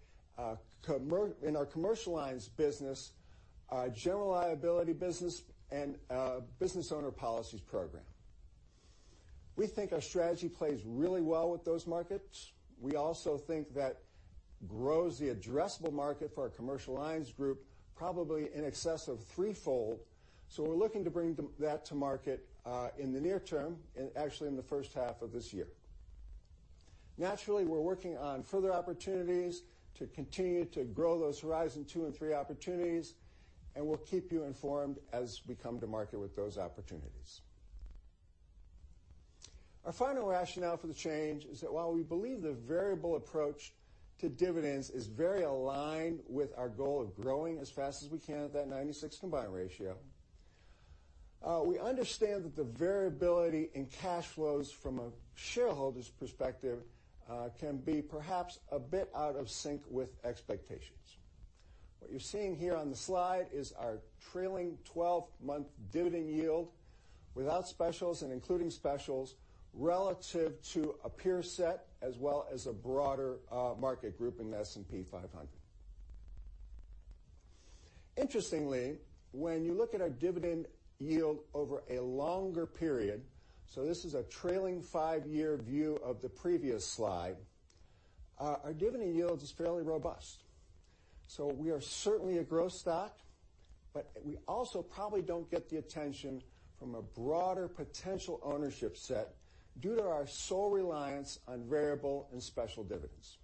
in our commercial lines business, general liability business, and Business Owner's Policy program. We think our strategy plays really well with those markets. We also think that grows the addressable market for our commercial lines group, probably in excess of threefold. We're looking to bring that to market in the near term, and actually in the first half of this year. Naturally, we're working on further opportunities to continue to grow those Horizon Two and Three opportunities, and we'll keep you informed as we come to market with those opportunities. Our final rationale for the change is that while we believe the variable approach to dividends is very aligned with our goal of growing as fast as we can at that 96 combined ratio, we understand that the variability in cash flows from a shareholder's perspective can be perhaps a bit out of sync with expectations. What you're seeing here on the slide is our trailing 12-month dividend yield without specials and including specials relative to a peer set, as well as a broader market group in the S&P 500. Interestingly, when you look at our dividend yield over a longer period, this is a trailing five-year view of the previous slide, our dividend yield is fairly robust. We are certainly a growth stock, but we also probably don't get the attention from a broader potential ownership set due to our sole reliance on variable and special dividends.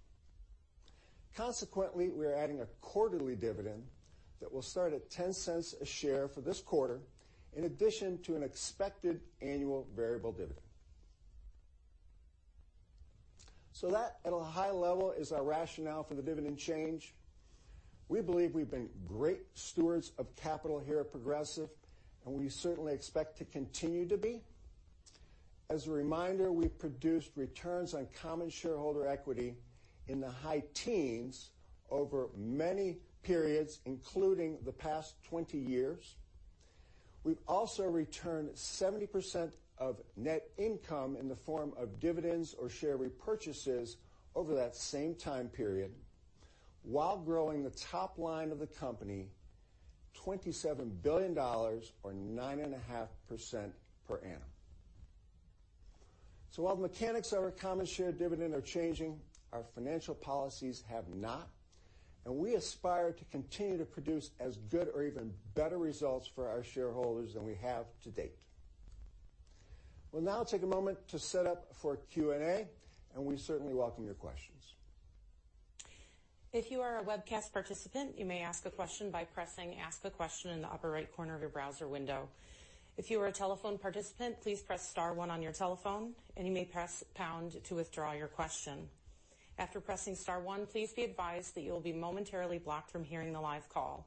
Consequently, we are adding a quarterly dividend that will start at $0.10 a share for this quarter, in addition to an expected annual variable dividend. That at a high level is our rationale for the dividend change. We believe we've been great stewards of capital here at Progressive, and we certainly expect to continue to be. As a reminder, we've produced returns on common shareholder equity in the high teens over many periods, including the past 20 years. We've also returned 70% of net income in the form of dividends or share repurchases over that same time period while growing the top line of the company $27 billion or 9.5% per annum. While the mechanics of our common share dividend are changing, our financial policies have not, and we aspire to continue to produce as good or even better results for our shareholders than we have to date. We'll now take a moment to set up for Q&A, and we certainly welcome your questions. If you are a webcast participant, you may ask a question by pressing Ask a Question in the upper right corner of your browser window. If you are a telephone participant, please press star one on your telephone and you may press pound to withdraw your question. After pressing star one, please be advised that you will be momentarily blocked from hearing the live call.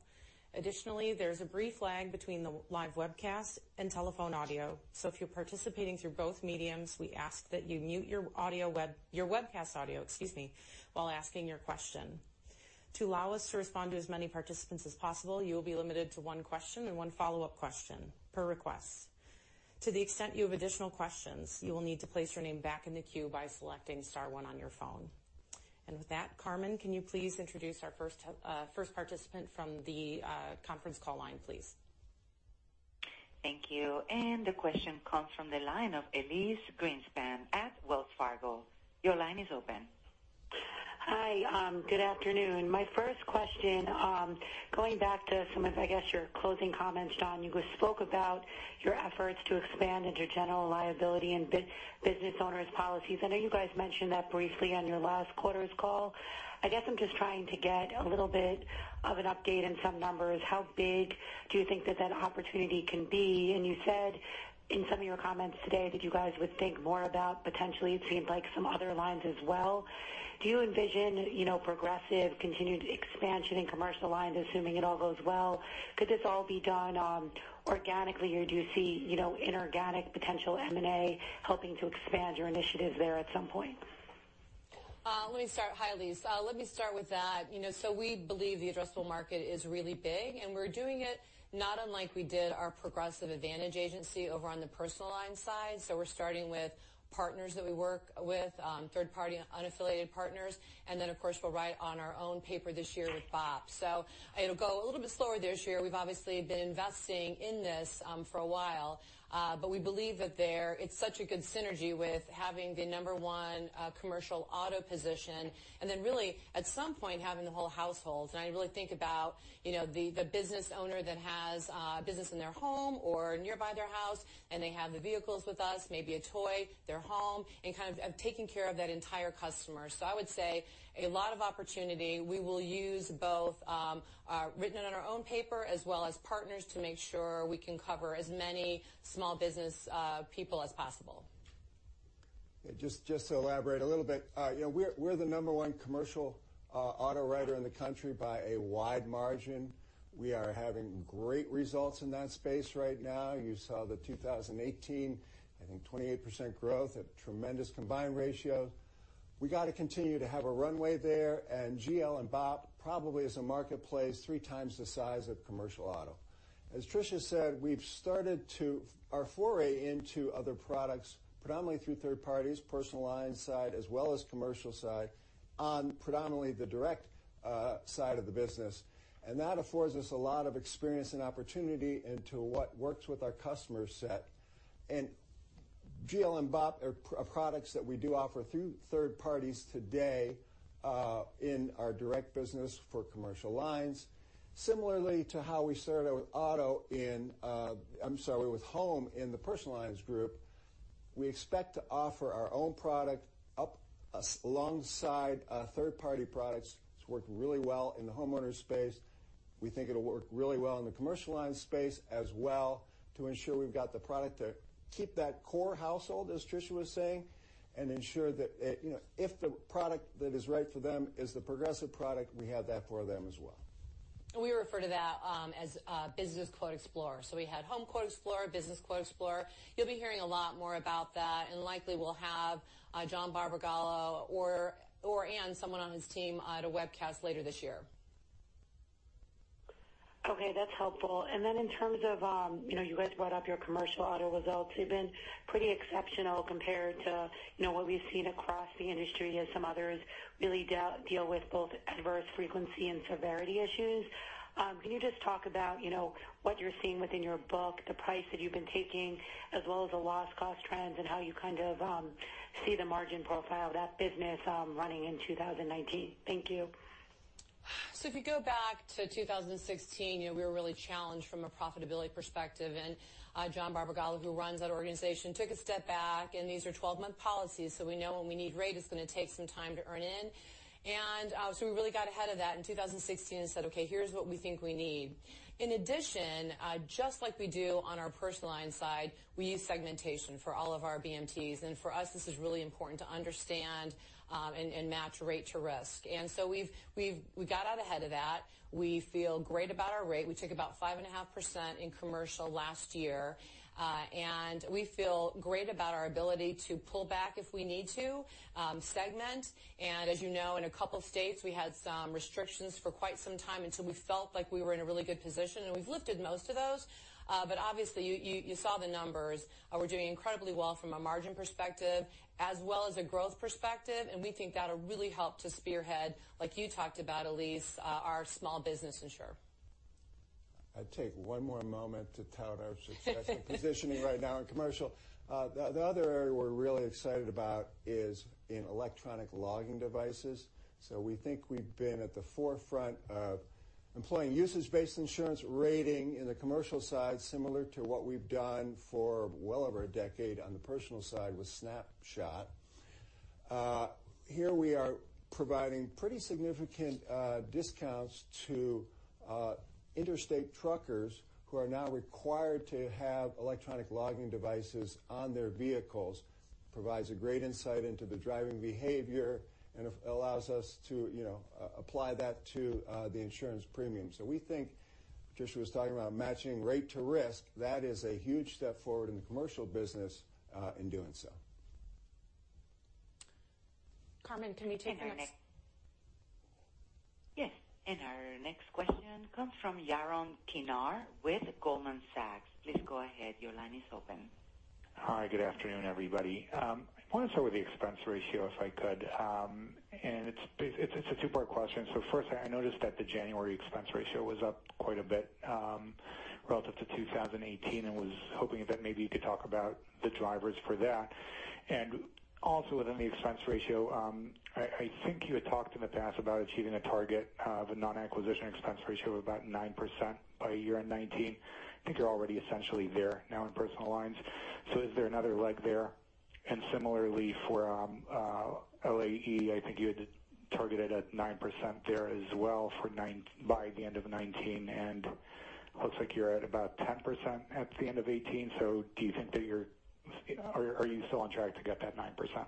Additionally, there's a brief lag between the live webcast and telephone audio. If you're participating through both mediums, we ask that you mute your webcast audio, excuse me, while asking your question. To allow us to respond to as many participants as possible, you will be limited to one question and one follow-up question per request. To the extent you have additional questions, you will need to place your name back in the queue by selecting star one on your phone. With that, Carmen, can you please introduce our first participant from the conference call line, please? Thank you. The question comes from the line of Elyse Greenspan at Wells Fargo. Your line is open. Hi. Good afternoon. My first question, going back to some of, I guess, your closing comments, John, you spoke about your efforts to expand into General Liability and Business Owner's Policies. I know you guys mentioned that briefly on your last quarter's call. I guess I'm just trying to get a little bit of an update and some numbers. How big do you think that that opportunity can be? You said in some of your comments today that you guys would think more about potentially, it seems like some other lines as well. Do you envision Progressive continued expansion in commercial lines, assuming it all goes well? Could this all be done organically, or do you see inorganic potential M&A helping to expand your initiatives there at some point? Hi, Elyse. Let me start with that. We believe the addressable market is really big, and we're doing it not unlike we did our Progressive Advantage Agency over on the personal lines side. We're starting with partners that we work with, third-party unaffiliated partners, and then of course, we'll write on our own paper this year with BOP. It'll go a little bit slower this year. We've obviously been investing in this for a while. We believe that there it's such a good synergy with having the number 1 commercial auto position and then really at some point, having the whole household. I really think about the business owner that has a business in their home or nearby their house, and they have the vehicles with us, maybe a toy, their home, and kind of taking care of that entire customer. I would say a lot of opportunity. We will use both written on our own paper as well as partners to make sure we can cover as many small business people as possible. Just to elaborate a little bit. We're the number 1 commercial auto writer in the country by a wide margin. We are having great results in that space right now. You saw the 2018, I think 28% growth at tremendous combined ratio. We got to continue to have a runway there. GL and BOP probably is a marketplace 3 times the size of commercial auto. As Tricia said, we've started our foray into other products, predominantly through third parties, personal lines side as well as commercial side on predominantly the direct side of the business. That affords us a lot of experience and opportunity into what works with our customer set. GL are products that we do offer through third parties today in our direct business for commercial lines. Similarly to how we started with home in the personal lines group, we expect to offer our own product up alongside third-party products. It's worked really well in the homeowners space. We think it'll work really well in the commercial lines space as well to ensure we've got the product to keep that core household, as Tricia was saying, and ensure that if the product that is right for them is the Progressive product, we have that for them as well. We refer to that as Business Quote Explorer. We had Home Quote Explorer, Business Quote Explorer. You'll be hearing a lot more about that, and likely we'll have John Barbagallo or/and someone on his team at a webcast later this year. Okay. That's helpful. In terms of you guys brought up your commercial auto results. They've been pretty exceptional compared to what we've seen across the industry as some others really deal with both adverse frequency and severity issues. Can you just talk about what you're seeing within your book, the price that you've been taking, as well as the loss cost trends, and how you kind of see the margin profile of that business running in 2019? Thank you. If you go back to 2016, we were really challenged from a profitability perspective, and John Barbagallo, who runs that organization, took a step back, and these are 12-month policies, so we know when we need rate it's going to take some time to earn in. We really got ahead of that in 2016 and said, "Okay, here's what we think we need." In addition, just like we do on our personal line side, we use segmentation for all of our BMTs, and for us, this is really important to understand and match rate to risk. We got out ahead of that. We feel great about our rate. We took about 5.5% in commercial last year. We feel great about our ability to pull back if we need to segment. As you know, in a couple of states, we had some restrictions for quite some time until we felt like we were in a really good position, and we've lifted most of those. Obviously, you saw the numbers. We're doing incredibly well from a margin perspective as well as a growth perspective, and we think that'll really help to spearhead, like you talked about, Elyse, our small business insurer. I'd take one more moment to tout our success in positioning right now in commercial. The other area we're really excited about is in electronic logging devices. We think we've been at the forefront of employing usage-based insurance rating in the commercial side, similar to what we've done for well over a decade on the personal side with Snapshot. Here we are providing pretty significant discounts to interstate truckers who are now required to have electronic logging devices on their vehicles. Provides a great insight into the driving behavior and allows us to apply that to the insurance premium. We think Tricia was talking about matching rate to risk. That is a huge step forward in the commercial business in doing so. Carmen, can you take the next? Yes. Our next question comes from Yaron Kinar with Goldman Sachs. Please go ahead. Your line is open. Hi, good afternoon, everybody. I want to start with the expense ratio, if I could. It's a two-part question. First, I noticed that the January expense ratio was up quite a bit relative to 2018 and was hoping that maybe you could talk about the drivers for that. Also within the expense ratio, I think you had talked in the past about achieving a target of a non-acquisition expense ratio of about 9% by year-end 2019. I think you're already essentially there now in personal lines. Is there another leg there? Similarly for LAE, I think you had targeted at 9% there as well by the end of 2019, and looks like you're at about 10% at the end of 2018. Are you still on track to get that 9%?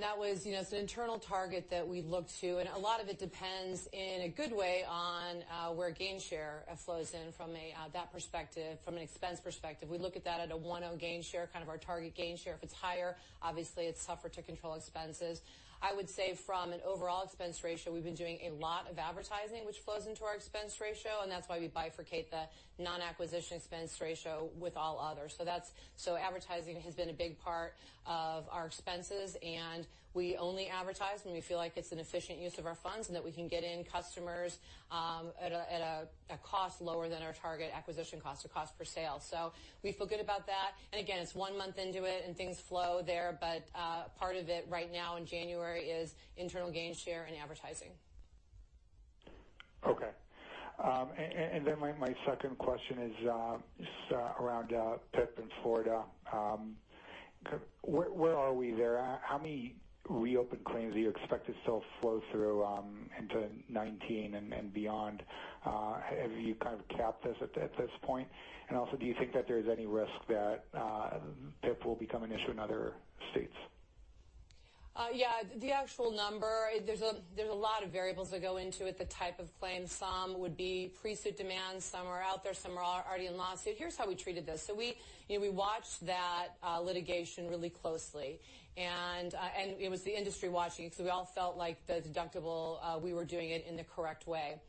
That was an internal target that we look to, and a lot of it depends in a good way on where Gainshare flows in from that perspective, from an expense perspective. We look at that at a 1.0 Gainshare, kind of our target Gainshare. If it's higher, it's tougher to control expenses. From an overall expense ratio, we've been doing a lot of advertising, which flows into our expense ratio, and that's why we bifurcate the non-acquisition expense ratio with all others. Advertising has been a big part of our expenses, and we only advertise when we feel like it's an efficient use of our funds and that we can get in customers at a cost lower than our target acquisition cost or cost per sale. We feel good about that. Again, it's one month into it and things flow there. Part of it right now in January is internal Gainshare and advertising. My second question is around PIP in Florida. Where are we there? How many reopened claims do you expect to still flow through into 2019 and beyond? Have you kind of capped this at this point? Do you think that there's any risk that PIP will become an issue in other states? The actual number, there's a lot of variables that go into it, the type of claim. Some would be pre-suit demands, some are out there, some are already in lawsuit. Here's how we treated this. We watched that litigation really closely, and it was the industry watching, because we all felt like the deductible, we were doing it in the correct way.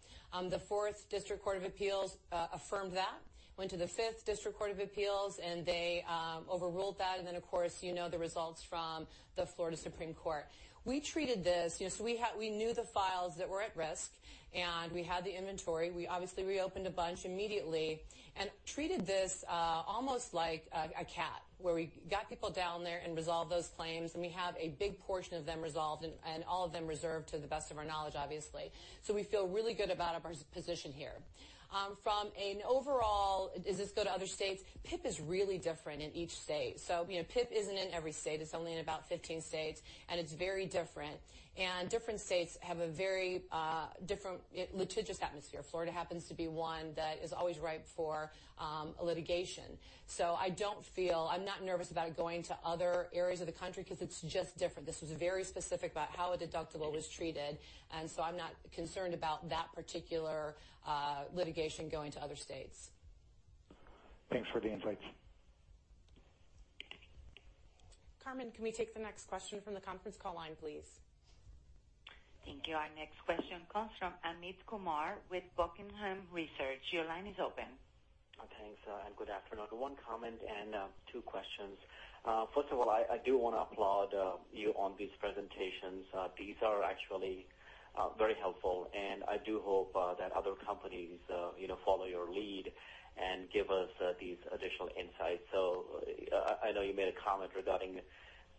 The Fourth District Court of Appeal affirmed that. Went to the Fifth District Court of Appeal, and they overruled that, and then of course you know the results from the Supreme Court of Florida. We knew the files that were at risk, and we had the inventory. We obviously reopened a bunch immediately and treated this almost like a CAT, where we got people down there and resolved those claims, and we have a big portion of them resolved and all of them reserved to the best of our knowledge, obviously. We feel really good about our position here. From an overall, does this go to other states? PIP is really different in each state. PIP isn't in every state. It's only in about 15 states, and it's very different. Different states have a very different litigious atmosphere. Florida happens to be one that is always ripe for litigation. I'm not nervous about it going to other areas of the country because it's just different. This was very specific about how a deductible was treated, I'm not concerned about that particular litigation going to other states. Thanks for the insights. Carmen, can we take the next question from the conference call line, please? Thank you. Our next question comes from Amit Kumar with Buckingham Research. Your line is open. Thanks, and good afternoon. One comment and two questions. First of all, I do want to applaud you on these presentations. These are actually very helpful, and I do hope that other companies follow your lead and give us these additional insights. I know you made a comment regarding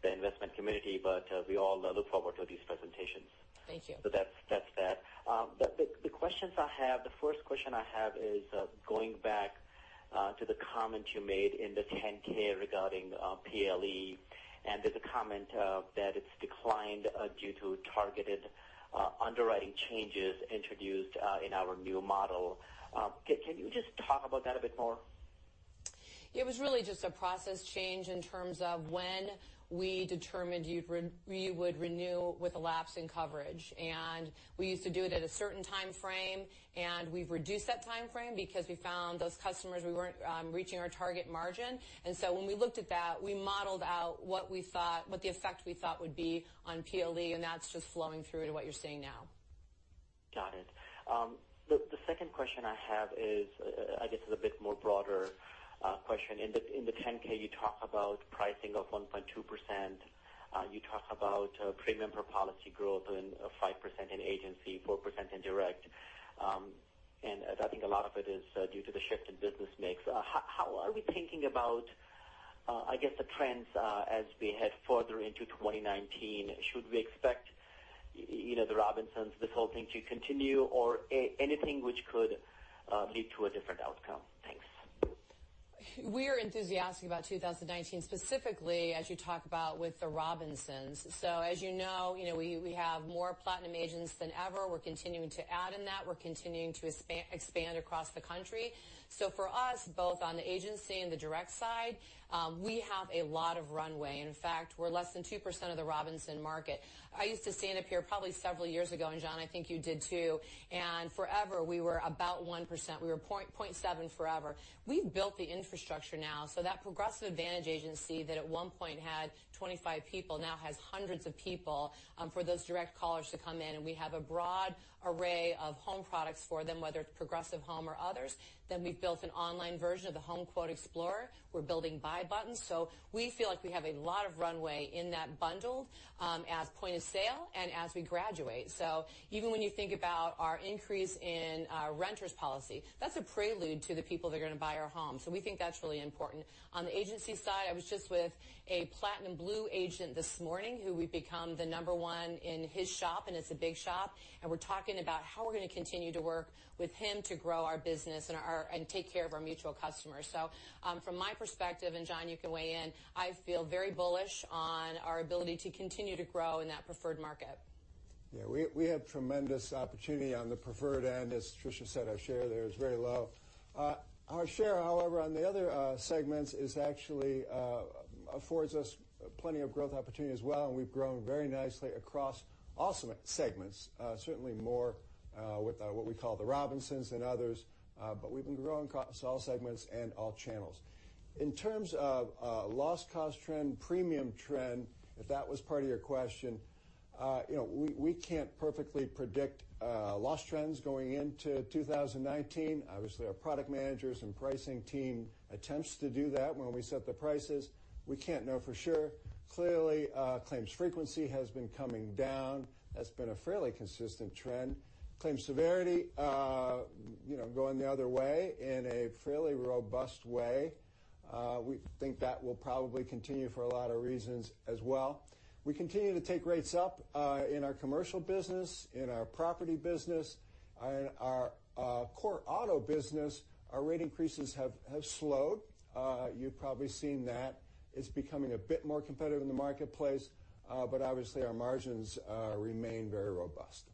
the investment community, but we all look forward to these presentations. Thank you. That's that. The first question I have is going back to the comment you made in the 10-K regarding PLE, and there's a comment that it's declined due to targeted underwriting changes introduced in our new model. Can you just talk about that a bit more? It was really just a process change in terms of when we determined we would renew with a lapse in coverage. We used to do it at a certain time frame, and we've reduced that time frame because we found those customers we weren't reaching our target margin. When we looked at that, we modeled out what the effect we thought would be on PLE, and that's just flowing through to what you're seeing now. Got it. The second question I have is, I guess, is a bit more broader question. In the Form 10-K, you talk about pricing of 1.2%. You talk about premium per policy growth in 5% in agency, 4% in direct. I think a lot of it is due to the shift in business mix. How are we thinking about the trends as we head further into 2019? Should we expect the Robinsons, this whole thing to continue or anything which could lead to a different outcome? Thanks. We're enthusiastic about 2019 specifically as you talk about with the Robinsons. As you know, we have more platinum agents than ever. We're continuing to add in that. We're continuing to expand across the country. For us, both on the agency and the direct side, we have a lot of runway. In fact, we're less than 2% of the Robinsons market. I used to stand up here probably several years ago, and John, I think you did too, and forever, we were about 1%. We were 0.7 forever. We've built the infrastructure now, so that Progressive Advantage Agency that at one point had 25 people now has hundreds of people for those direct callers to come in, and we have a broad array of home products for them, whether it's Progressive Home or others. We've built an online version of the Home Quote Explorer. We're building buy buttons. We feel like we have a lot of runway in that bundle as point of sale and as we graduate. Even when you think about our increase in renters policy, that's a prelude to the people that are going to buy our home. We think that's really important. On the agency side, I was just with a platinum blue agent this morning who we've become the number one in his shop, and it's a big shop, and we're talking about how we're going to continue to work with him to grow our business and take care of our mutual customers. From my perspective, and John, you can weigh in, I feel very bullish on our ability to continue to grow in that preferred market. We have tremendous opportunity on the preferred end. As Tricia said, our share there is very low. Our share, however, on the other segments actually affords us plenty of growth opportunity as well, and we've grown very nicely across all segments. Certainly more with what we call the Robinsons than others. We've been growing across all segments and all channels. In terms of loss cost trend, premium trend, if that was part of your question, we can't perfectly predict loss trends going into 2019. Obviously, our product managers and pricing team attempts to do that when we set the prices. We can't know for sure. Clearly, claims frequency has been coming down. That's been a fairly consistent trend. Claims severity going the other way in a fairly robust way. We think that will probably continue for a lot of reasons as well. We continue to take rates up in our commercial business, in our property business. In our core auto business, our rate increases have slowed. You've probably seen that. It's becoming a bit more competitive in the marketplace. Obviously, our margins remain very robust.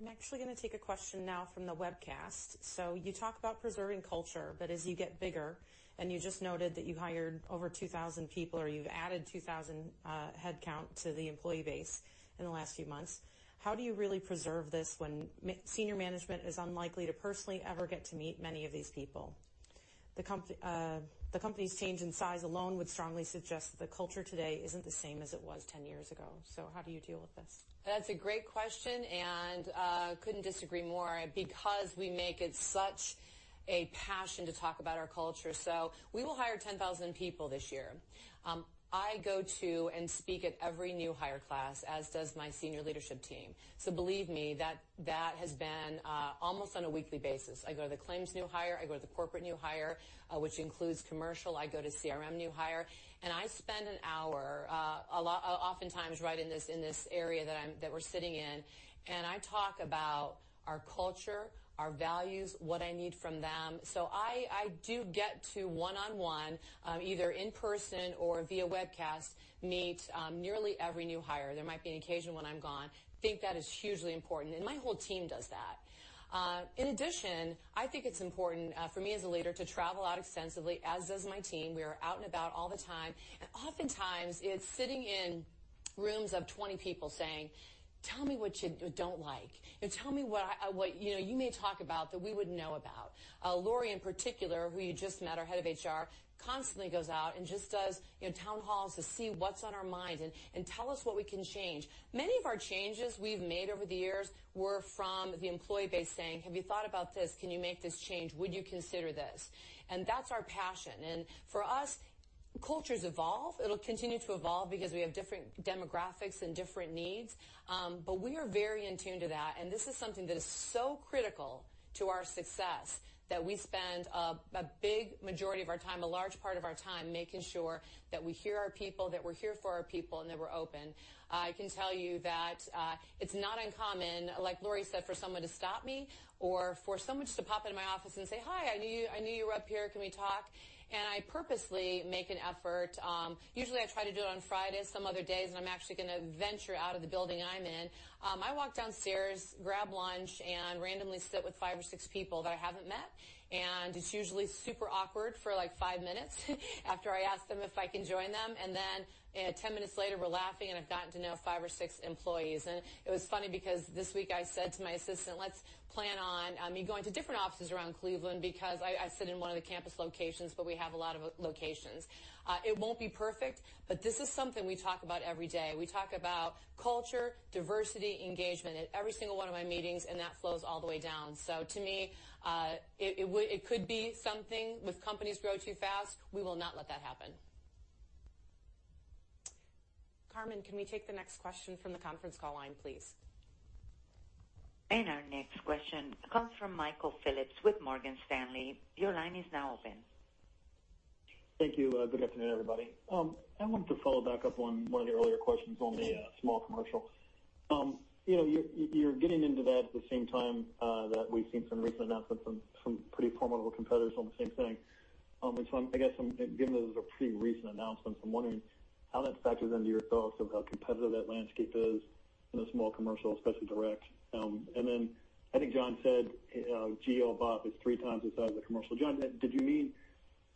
I'm actually going to take a question now from the webcast. You talk about preserving culture, as you get bigger, and you just noted that you hired over 2,000 people, or you've added 2,000 headcount to the employee base in the last few months, how do you really preserve this when senior management is unlikely to personally ever get to meet many of these people? The company's change in size alone would strongly suggest that the culture today isn't the same as it was 10 years ago. How do you deal with this? That's a great question, couldn't disagree more because we make it such a passion to talk about our culture. We will hire 10,000 people this year. I go to and speak at every new hire class, as does my senior leadership team. Believe me, that has been almost on a weekly basis. I go to the claims new hire, I go to the corporate new hire, which includes commercial. I go to CRM new hire, and I spend an hour, oftentimes right in this area that we're sitting in, and I talk about our culture, our values, what I need from them. I do get to one-on-one, either in person or via webcast, meet nearly every new hire. There might be an occasion when I'm gone. Think that is hugely important, and my whole team does that. In addition, I think it's important for me as a leader to travel out extensively, as does my team. We are out and about all the time, and oftentimes it's sitting in rooms of 20 people saying, "Tell me what you don't like, and tell me what you may talk about that we wouldn't know about." Lori in particular, who you just met, our head of HR, constantly goes out and just does town halls to see what's on our minds, and tell us what we can change. Many of our changes we've made over the years were from the employee base saying, "Have you thought about this? Can you make this change? Would you consider this?" That's our passion. For us, cultures evolve. It'll continue to evolve because we have different demographics and different needs. We are very in tune to that, this is something that is so critical to our success that we spend a big majority of our time, a large part of our time, making sure that we hear our people, that we're here for our people, and that we're open. I can tell you that it's not uncommon, like Lori said, for someone to stop me or for someone just to pop into my office and say, "Hi, I knew you were up here. Can we talk?" I purposely make an effort. Usually, I try to do it on Fridays, some other days, I'm actually going to venture out of the building I'm in. I walk downstairs, grab lunch, randomly sit with five or six people that I haven't met, it's usually super awkward for five minutes after I ask them if I can join them, then 10 minutes later, we're laughing, I've gotten to know five or six employees. It was funny because this week I said to my assistant, "Let's plan on me going to different offices around Cleveland," because I sit in one of the campus locations, we have a lot of locations. It won't be perfect, this is something we talk about every day. We talk about culture, diversity, engagement at every single one of my meetings, that flows all the way down. To me, it could be something with companies grow too fast. We will not let that happen. Carmen, can we take the next question from the conference call line, please? Our next question comes from Michael Phillips with Morgan Stanley. Your line is now open. Thank you. Good afternoon, everybody. I wanted to follow back up on one of the earlier questions on the small commercial. You are getting into that at the same time that we have seen some recent announcements from some pretty formidable competitors on the same thing. I guess, given that it was a pretty recent announcement, I am wondering how that factors into your thoughts of how competitive that landscape is in the small commercial, especially direct. I think John said GL BOP is three times the size of the commercial. John, did you mean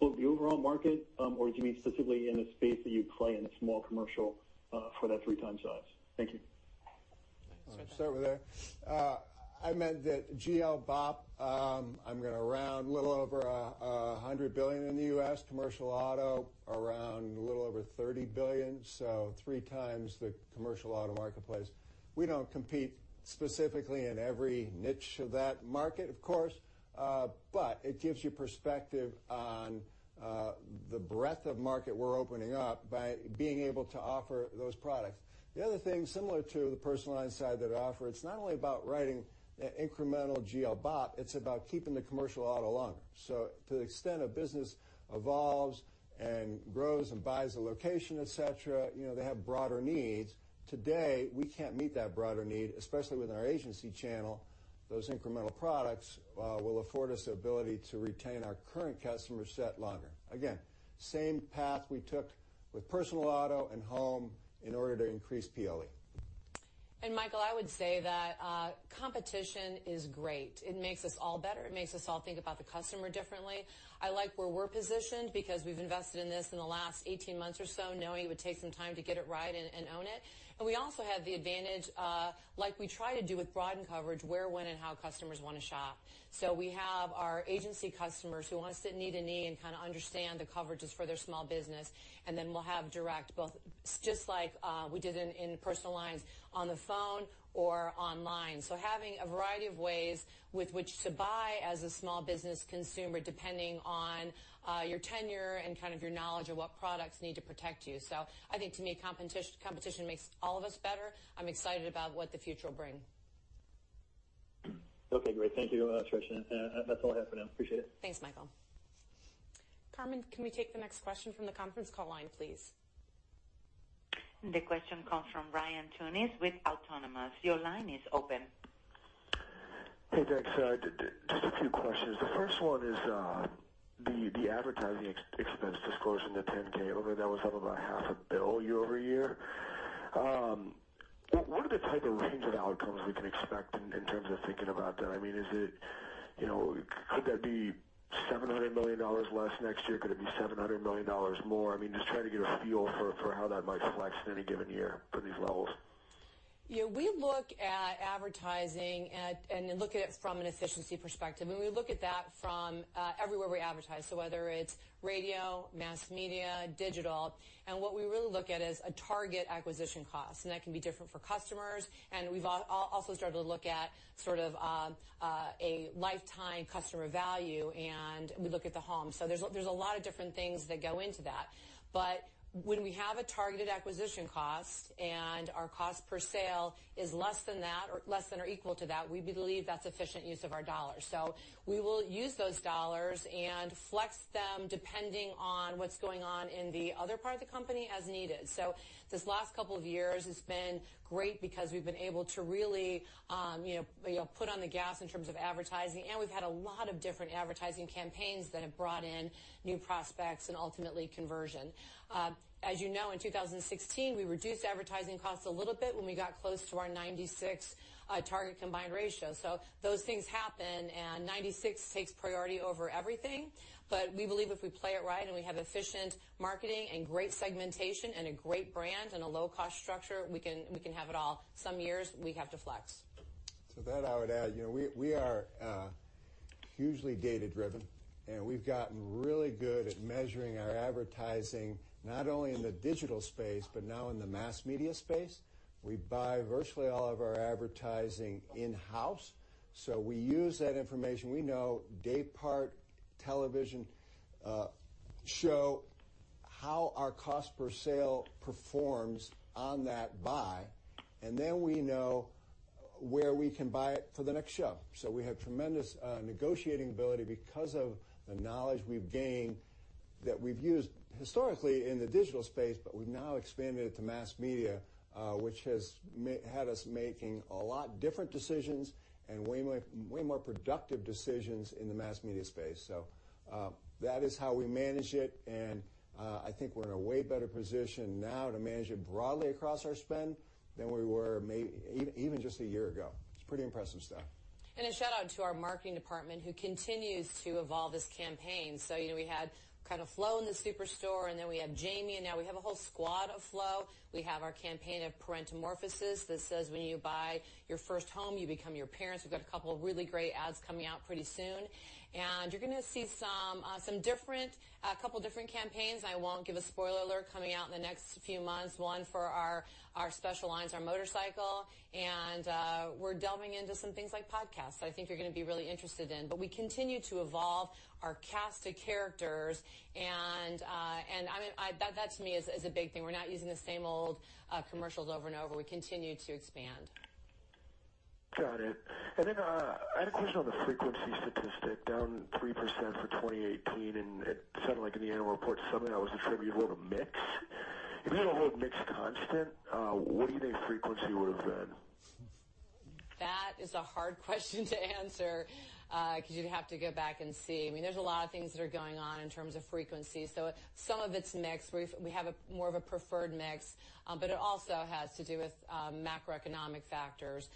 the overall market or did you mean specifically in the space that you play in the small commercial for that three times size? Thank you. I will start with there. I meant that GL BOP, I am going to round a little over $100 billion in the U.S., commercial auto around a little over $30 billion, so three times the commercial auto marketplace. We do not compete specifically in every niche of that market, of course, but it gives you perspective on the breadth of market we are opening up by being able to offer those products. The other thing similar to the personal line side that I offer, it is not only about writing incremental GL BOP, it is about keeping the commercial auto longer. To the extent a business evolves and grows and buys a location, et cetera, they have broader needs. Today, we cannot meet that broader need, especially within our agency channel. Those incremental products will afford us the ability to retain our current customer set longer. Again, same path we took with personal auto and home in order to increase PLE. Michael, I would say that competition is great. It makes us all better. It makes us all think about the customer differently. I like where we are positioned because we have invested in this in the last 18 months or so, knowing it would take some time to get it right and own it. We also have the advantage, like we try to do with broadened coverage, where, when, and how customers want to shop. We have our agency customers who want to sit knee to knee and kind of understand the coverages for their small business, and then we will have direct both, just like we did in personal lines, on the phone or online. Having a variety of ways with which to buy as a small business consumer, depending on your tenure and kind of your knowledge of what products need to protect you. I think to me, competition makes all of us better. I'm excited about what the future will bring. Okay, great. Thank you, Tricia. That's all I have for now. Appreciate it. Thanks, Michael. Carmen, can we take the next question from the conference call line, please? The question comes from Ryan Tunis with Autonomous. Your line is open. Hey, thanks. Just a few questions. The first one is the advertising expense disclosure in the 10-K. I believe that was up about half a bill year-over-year. What are the type of range of outcomes we can expect in terms of thinking about that? Could that be $700 million less next year? Could it be $700 million more? Just trying to get a feel for how that might flex in any given year for these levels. We look at advertising and then look at it from an efficiency perspective, and we look at that from everywhere we advertise. Whether it's radio, mass media, digital, and what we really look at is a target acquisition cost, and that can be different for customers. We've also started to look at sort of a lifetime customer value, and we look at the home. There's a lot of different things that go into that. When we have a targeted acquisition cost and our cost per sale is less than that or less than or equal to that, we believe that's efficient use of our dollars. We will use those dollars and flex them depending on what's going on in the other part of the company as needed. This last couple of years has been great because we've been able to really put on the gas in terms of advertising, and we've had a lot of different advertising campaigns that have brought in new prospects and ultimately conversion. As you know, in 2016, we reduced advertising costs a little bit when we got close to our 96 target combined ratio. Those things happen, and 96 takes priority over everything. We believe if we play it right and we have efficient marketing and great segmentation and a great brand and a low-cost structure, we can have it all. Some years we have to flex. To that I would add, we are hugely data-driven, and we've gotten really good at measuring our advertising, not only in the digital space, but now in the mass media space. We buy virtually all of our advertising in-house. We use that information. We know day part television show how our cost per sale performs on that buy. Then we know where we can buy it for the next show. We have tremendous negotiating ability because of the knowledge we've gained that we've used historically in the digital space, but we've now expanded it to mass media, which has had us making a lot different decisions and way more productive decisions in the mass media space. That is how we manage it. I think we're in a way better position now to manage it broadly across our spend than we were even just a year ago. It's pretty impressive stuff. A shout-out to our marketing department who continues to evolve this campaign. We had Flo in the superstore. Then we had Jamie. Now we have a whole squad of Flo. We have our campaign of Parentamorphosis that says when you buy your first home, you become your parents. We've got a couple of really great ads coming out pretty soon. You're going to see a couple different campaigns, I won't give a spoiler alert, coming out in the next few months. One for our special lines, our motorcycle. We're delving into some things like podcasts that I think you're going to be really interested in. We continue to evolve our cast of characters. That to me is a big thing. We're not using the same old commercials over and over. We continue to expand. Got it. Then I had a question on the frequency statistic, down 3% for 2018. It sounded like in the annual report, some of that was attributable to mix. If you had to hold mix constant, what do you think frequency would have been? That is a hard question to answer because you'd have to go back and see. There's a lot of things that are going on in terms of frequency. Some of it's mix. We have more of a preferred mix. It also has to do with macroeconomic factors,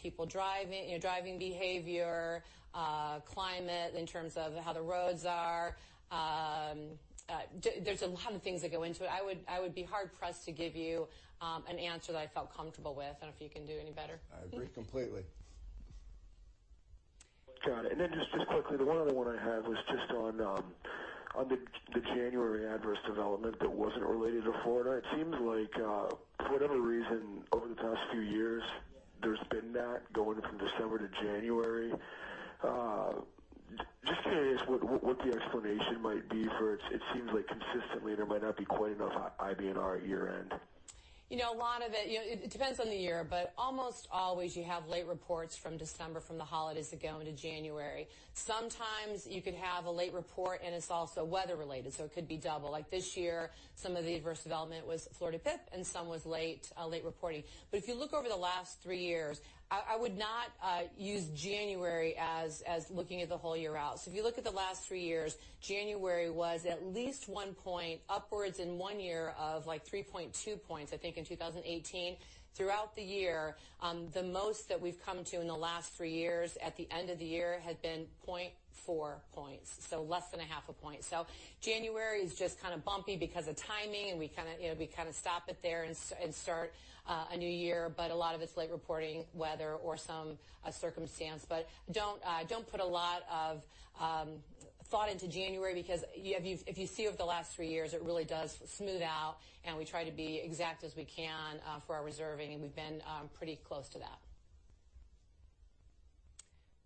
people driving behavior, climate in terms of how the roads are. There's a lot of things that go into it. I would be hard-pressed to give you an answer that I felt comfortable with. I don't know if you can do any better. I agree completely. Got it. Just quickly, the one other one I had was just on the January adverse development that wasn't related to Florida. It seems like for whatever reason, over the past few years, there's been that going from December to January. Just curious what the explanation might be for it. It seems like consistently there might not be quite enough IBNR at year-end. A lot of it depends on the year, almost always you have late reports from December from the holidays that go into January. Sometimes you could have a late report and it's also weather related, so it could be double. Like this year, some of the adverse development was Florida PIP and some was late reporting. If you look over the last three years, I would not use January as looking at the whole year out. If you look at the last three years, January was at least one point upwards in one year of 3.2 points, I think, in 2018. Throughout the year, the most that we've come to in the last three years at the end of the year had been 0.4 points, so less than a half a point. January is just kind of bumpy because of timing, and we kind of stop it there and start a new year. A lot of it's late reporting, weather, or some circumstance. Don't put a lot of thought into January because if you see over the last three years, it really does smooth out and we try to be exact as we can for our reserving. We've been pretty close to that.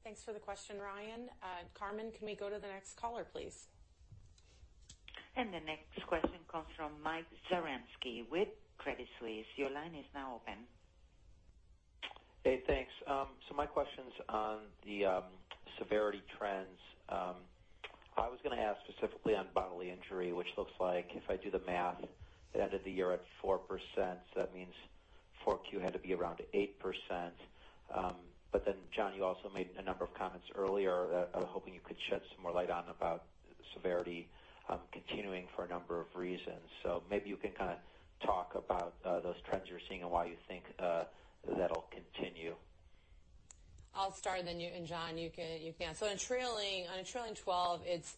Thanks for the question, Ryan. Carmen, can we go to the next caller, please? The next question comes from Mike Zaremski with Credit Suisse. Your line is now open. Hey, thanks. My question's on the severity trends I was going to ask specifically on bodily injury, which looks like if I do the math, it ended the year at 4%, that means Q4 had to be around 8%. John, you also made a number of comments earlier, I was hoping you could shed some more light on about severity continuing for a number of reasons. Maybe you can kind of talk about those trends you're seeing and why you think that'll continue. I'll start, and then John, you can. On a trailing 12, it's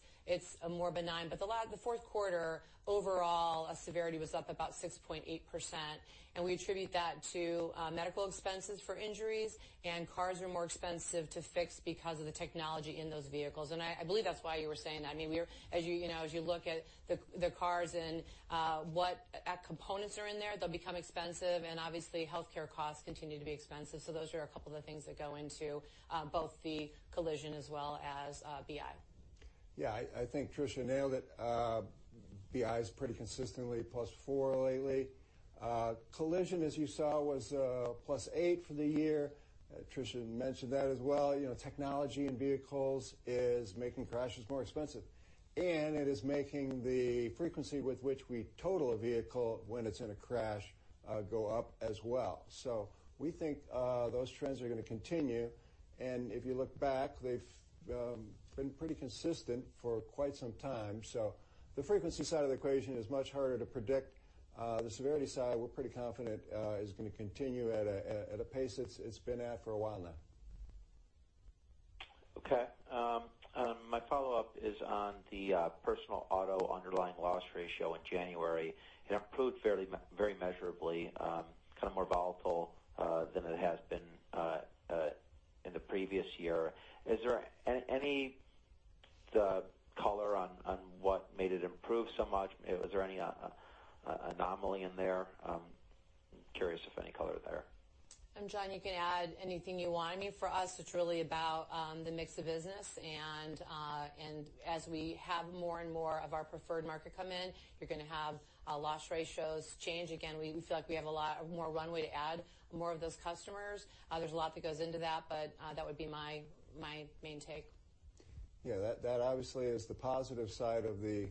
more benign. The fourth quarter, overall severity was up about 6.8%, and we attribute that to medical expenses for injuries, and cars are more expensive to fix because of the technology in those vehicles. I believe that's why you were saying that. As you look at the cars and what components are in there, they'll become expensive and obviously healthcare costs continue to be expensive. Those are a couple of the things that go into both the collision as well as BI. Yeah, I think Tricia nailed it. BI is pretty consistently +4 lately. Collision, as you saw, was +8 for the year. Tricia mentioned that as well. Technology in vehicles is making crashes more expensive, and it is making the frequency with which we total a vehicle when it's in a crash go up as well. We think those trends are going to continue, and if you look back, they've been pretty consistent for quite some time. The frequency side of the equation is much harder to predict. The severity side, we're pretty confident is going to continue at a pace it's been at for a while now. Okay. My follow-up is on the personal auto underlying loss ratio in January. It improved very measurably, kind of more volatile than it has been in the previous year. Is there any color on what made it improve so much? Was there any anomaly in there? I'm curious if any color there. John, you can add anything you want. For us, it's really about the mix of business, and as we have more and more of our preferred market come in, you're going to have loss ratios change. Again, we feel like we have a lot more runway to add more of those customers. There's a lot that goes into that, but that would be my main take. Yeah, that obviously is the positive side of the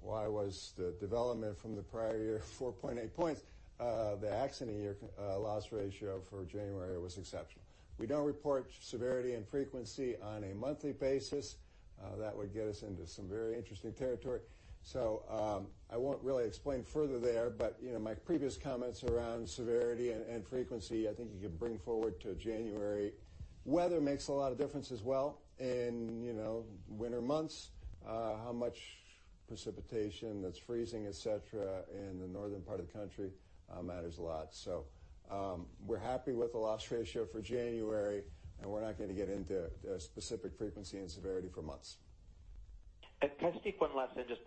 why was the development from the prior year, 4.8 points. The accident year loss ratio for January was exceptional. We don't report severity and frequency on a monthly basis. That would get us into some very interesting territory. I won't really explain further there, but my previous comments around severity and frequency, I think you could bring forward to January. Weather makes a lot of difference as well, in winter months how much precipitation that's freezing, et cetera, in the northern part of the country matters a lot. We're happy with the loss ratio for January, and we're not going to get into specific frequency and severity for months. Can I sneak one last then? Just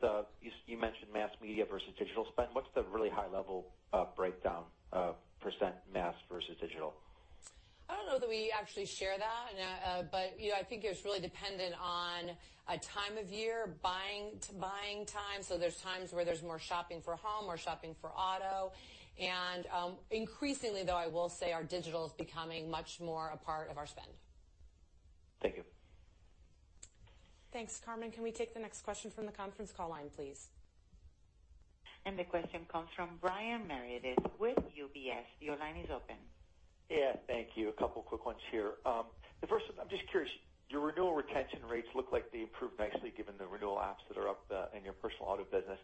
you mentioned mass media versus digital spend. What's the really high level breakdown of % mass versus digital? I don't know that we actually share that, but I think it's really dependent on time of year, buying time, so there's times where there's more shopping for home or shopping for auto, and increasingly though, I will say our digital is becoming much more a part of our spend. Thank you. Thanks. Carmen, can we take the next question from the conference call line, please? The question comes from Brian Meredith with UBS. Your line is open. Yeah, thank you. A couple of quick ones here. The first, I'm just curious, your renewal retention rates look like they improved nicely given the renewal apps that are up in your personal auto business.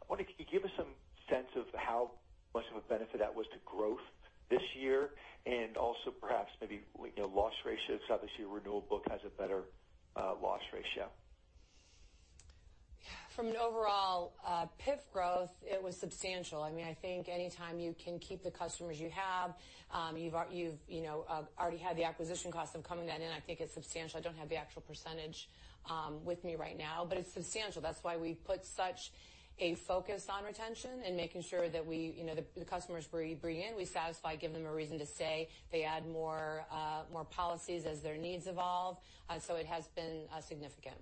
I wonder, can you give us some sense of how much of a benefit that was to growth this year, and also perhaps maybe loss ratios? Obviously, your renewal book has a better loss ratio. From an overall PIF growth, it was substantial. I think anytime you can keep the customers you have, you've already had the acquisition cost of coming in, then I think it's substantial. I don't have the actual percentage with me right now, but it's substantial. That's why we put such a focus on retention and making sure that the customers we bring in, we satisfy, give them a reason to stay. They add more policies as their needs evolve. It has been significant.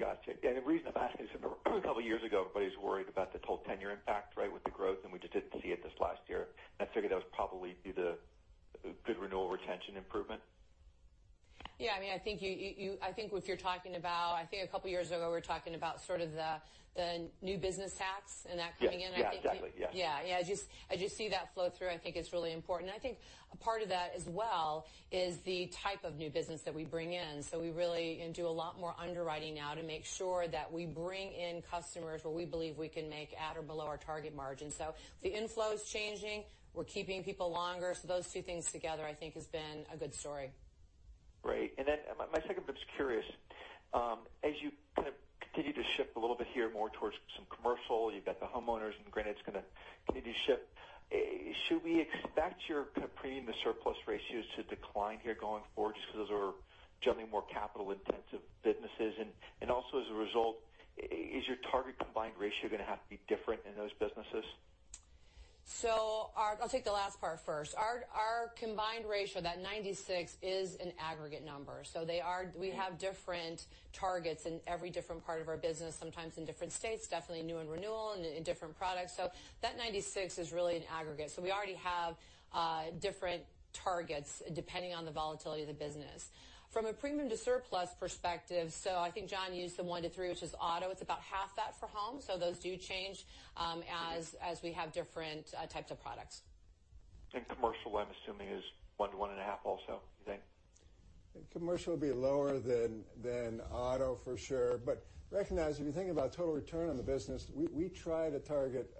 Got you. The reason I'm asking is a couple of years ago, everybody was worried about the total tenure impact with the growth, and we just didn't see it this last year. I figured that was probably due to good renewal retention improvement. I think what you're talking about, a couple of years ago, we were talking about sort of the new business tax and that coming in. Exactly. As you see that flow through, I think it's really important. I think a part of that as well is the type of new business that we bring in. We really do a lot more underwriting now to make sure that we bring in customers where we believe we can make at or below our target margin. The inflow is changing. We're keeping people longer. Those two things together, I think, has been a good story. Great. My second bit's curious. As you kind of continue to shift a little bit here more towards some commercial, you've got the homeowners and granted it's going to continue to shift. Should we expect your premium to surplus ratios to decline here going forward just because those are generally more capital intensive businesses? Also as a result, is your target combined ratio going to have to be different in those businesses? I'll take the last part first. Our combined ratio, that 96, is an aggregate number. We have different targets in every different part of our business, sometimes in different states, definitely new and renewal and in different products. That 96 is really an aggregate. We already have different targets depending on the volatility of the business. From a premium to surplus perspective, I think John used the 1 to 3, which is auto, it's about half that for Home. Those do change as we have different types of products. Commercial, I'm assuming, is 1 to 1.5 also, you think? Commercial will be lower than auto for sure. Recognize, if you're thinking about total return on the business, we try to target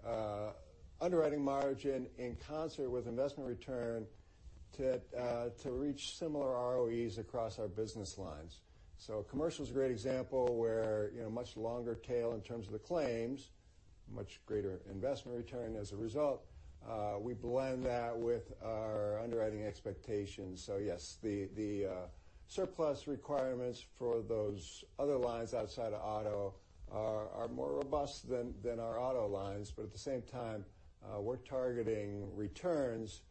underwriting margin in concert with investment return to reach similar ROEs across our business lines. Commercial is a great example where much longer tail in terms of the claims, much greater investment return as a result. We blend that with our underwriting expectations. Yes, the surplus requirements for those other lines outside of auto are more robust than our auto lines. At the same time, we're targeting returns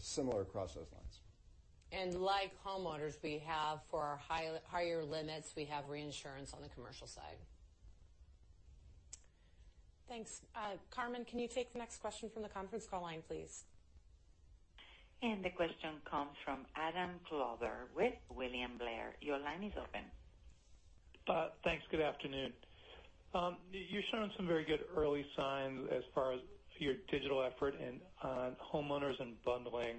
similar across those lines. Like homeowners, we have for our higher limits, we have reinsurance on the commercial side. Thanks. Carmen, can you take the next question from the conference call line, please? The question comes from Adam Klauber with William Blair. Your line is open. Thanks. Good afternoon. You've shown some very good early signs as far as your digital effort in homeowners and bundling.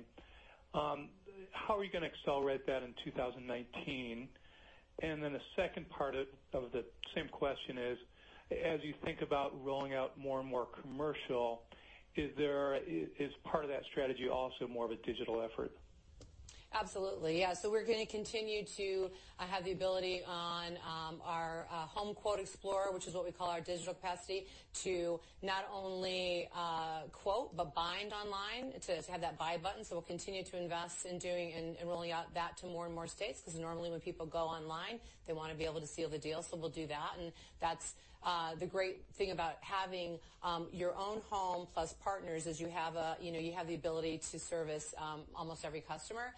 How are you going to accelerate that in 2019? The second part of the same question is, as you think about rolling out more and more commercial, is part of that strategy also more of a digital effort? Absolutely. Yeah. We're going to continue to have the ability on our Home Quote Explorer, which is what we call our digital capacity, to not only quote, but bind online, to have that buy button. We'll continue to invest in doing and rolling out that to more and more states, because normally when people go online, they want to be able to seal the deal. We'll do that, and that's the great thing about having your own home plus partners is you have the ability to service almost every customer.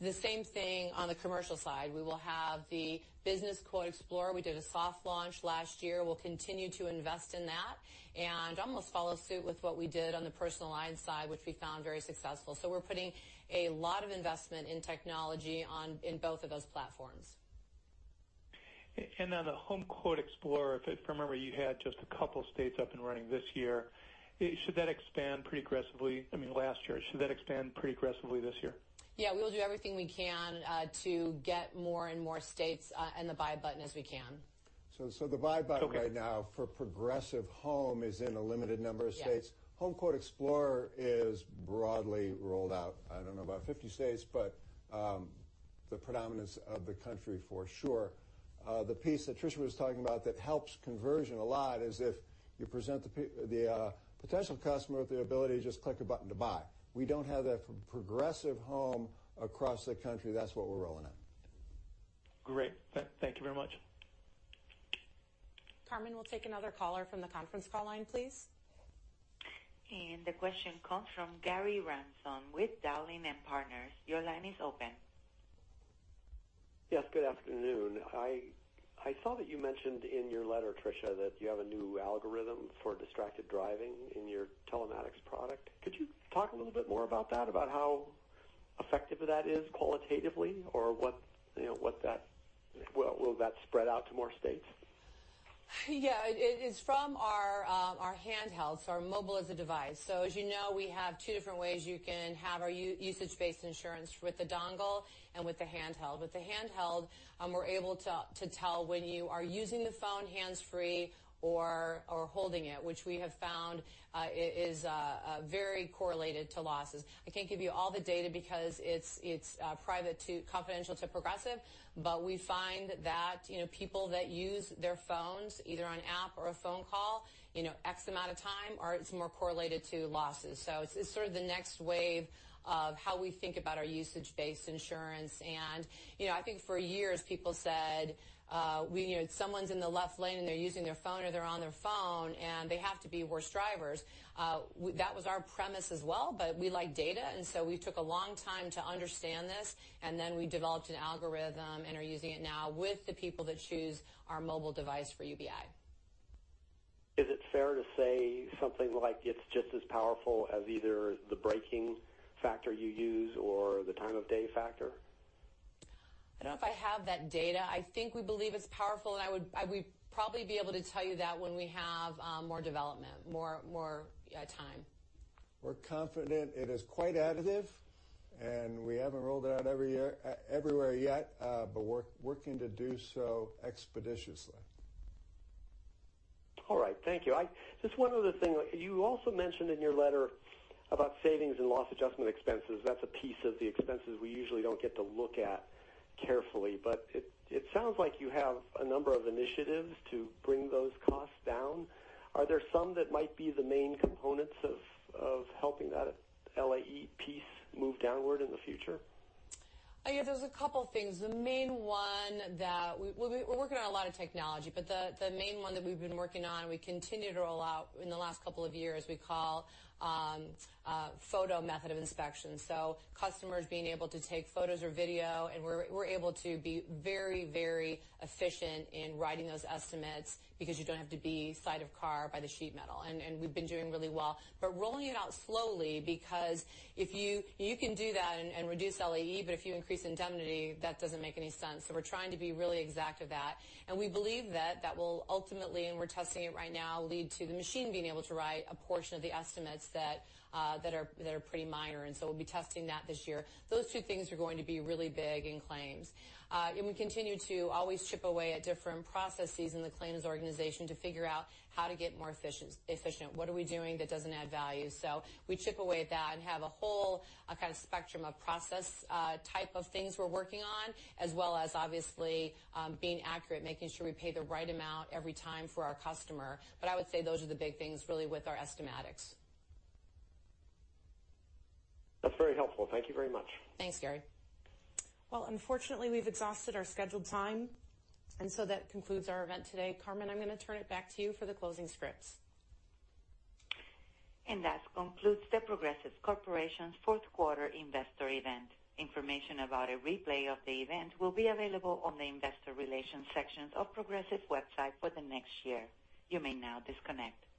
The same thing on the commercial side. We will have the Business Quote Explorer. We did a soft launch last year. We'll continue to invest in that and almost follow suit with what we did on the personal line side, which we found very successful. We're putting a lot of investment in technology in both of those platforms. On the Home Quote Explorer, if I remember, you had just a couple states up and running this year. Should that expand pretty aggressively? I mean, last year. Should that expand pretty aggressively this year? Yeah, we'll do everything we can to get more and more states and the buy button as we can. The buy button right now for Progressive Home is in a limited number of states. Yeah. Home Quote Explorer is broadly rolled out, I don't know about 50 states, but the predominance of the country for sure. The piece that Tricia was talking about that helps conversion a lot is if you present the potential customer with the ability to just click a button to buy. We don't have that for Progressive Home across the country. That's what we're rolling out. Great. Thank you very much. Carmen, we'll take another caller from the conference call line, please. The question comes from Gary Ransom with Dowling & Partners. Your line is open. Yes, good afternoon. I saw that you mentioned in your letter, Tricia, that you have a new algorithm for distracted driving in your telematics product. Could you talk a little bit more about that, about how effective that is qualitatively, or will that spread out to more states? Yeah. It's from our handheld, our mobile as a device. As you know, we have two different ways you can have our usage-based insurance with the dongle and with the handheld. With the handheld, we are able to tell when you are using the phone hands-free or holding it, which we have found is very correlated to losses. I can't give you all the data because it's private, confidential to Progressive. We find that people that use their phones, either on app or a phone call, X amount of time are more correlated to losses. It's sort of the next wave of how we think about our usage-based insurance. I think for years, people said someone's in the left lane and they're using their phone or they're on their phone, and they have to be worse drivers. That was our premise as well. We like data, we took a long time to understand this, we developed an algorithm and are using it now with the people that choose our mobile device for UBI. Is it fair to say something like it's just as powerful as either the braking factor you use or the time of day factor? I don't know if I have that data. I think we believe it's powerful. I would probably be able to tell you that when we have more development, more time. We're confident it is quite additive. We haven't rolled it out everywhere yet. We're working to do so expeditiously. All right. Thank you. Just one other thing. You also mentioned in your letter about savings and loss adjustment expenses. That's a piece of the expenses we usually don't get to look at carefully. It sounds like you have a number of initiatives to bring those costs down. Are there some that might be the main components of helping that LAE piece move downward in the future? Yeah, there's a couple things. We're working on a lot of technology. The main one that we've been working on, we continue to roll out in the last couple of years, we call photo method of inspection. Customers being able to take photos or video. We're able to be very efficient in writing those estimates because you don't have to be side of car by the sheet metal. We've been doing really well. Rolling it out slowly because you can do that and reduce LAE. If you increase indemnity, that doesn't make any sense. We're trying to be really exact with that. We believe that that will ultimately, we're testing it right now, lead to the machine being able to write a portion of the estimates that are pretty minor. We'll be testing that this year. Those two things are going to be really big in claims. We continue to always chip away at different processes in the claims organization to figure out how to get more efficient. What are we doing that doesn't add value? We chip away at that and have a whole kind of spectrum of process type of things we're working on, as well as obviously being accurate, making sure we pay the right amount every time for our customer. I would say those are the big things really with our estimatics. That's very helpful. Thank you very much. Thanks, Gary. Well, unfortunately, we've exhausted our scheduled time. That concludes our event today. Carmen, I'm going to turn it back to you for the closing scripts. That concludes The Progressive Corporation fourth quarter investor event. Information about a replay of the event will be available on the investor relations sections of Progressive website for the next year. You may now disconnect.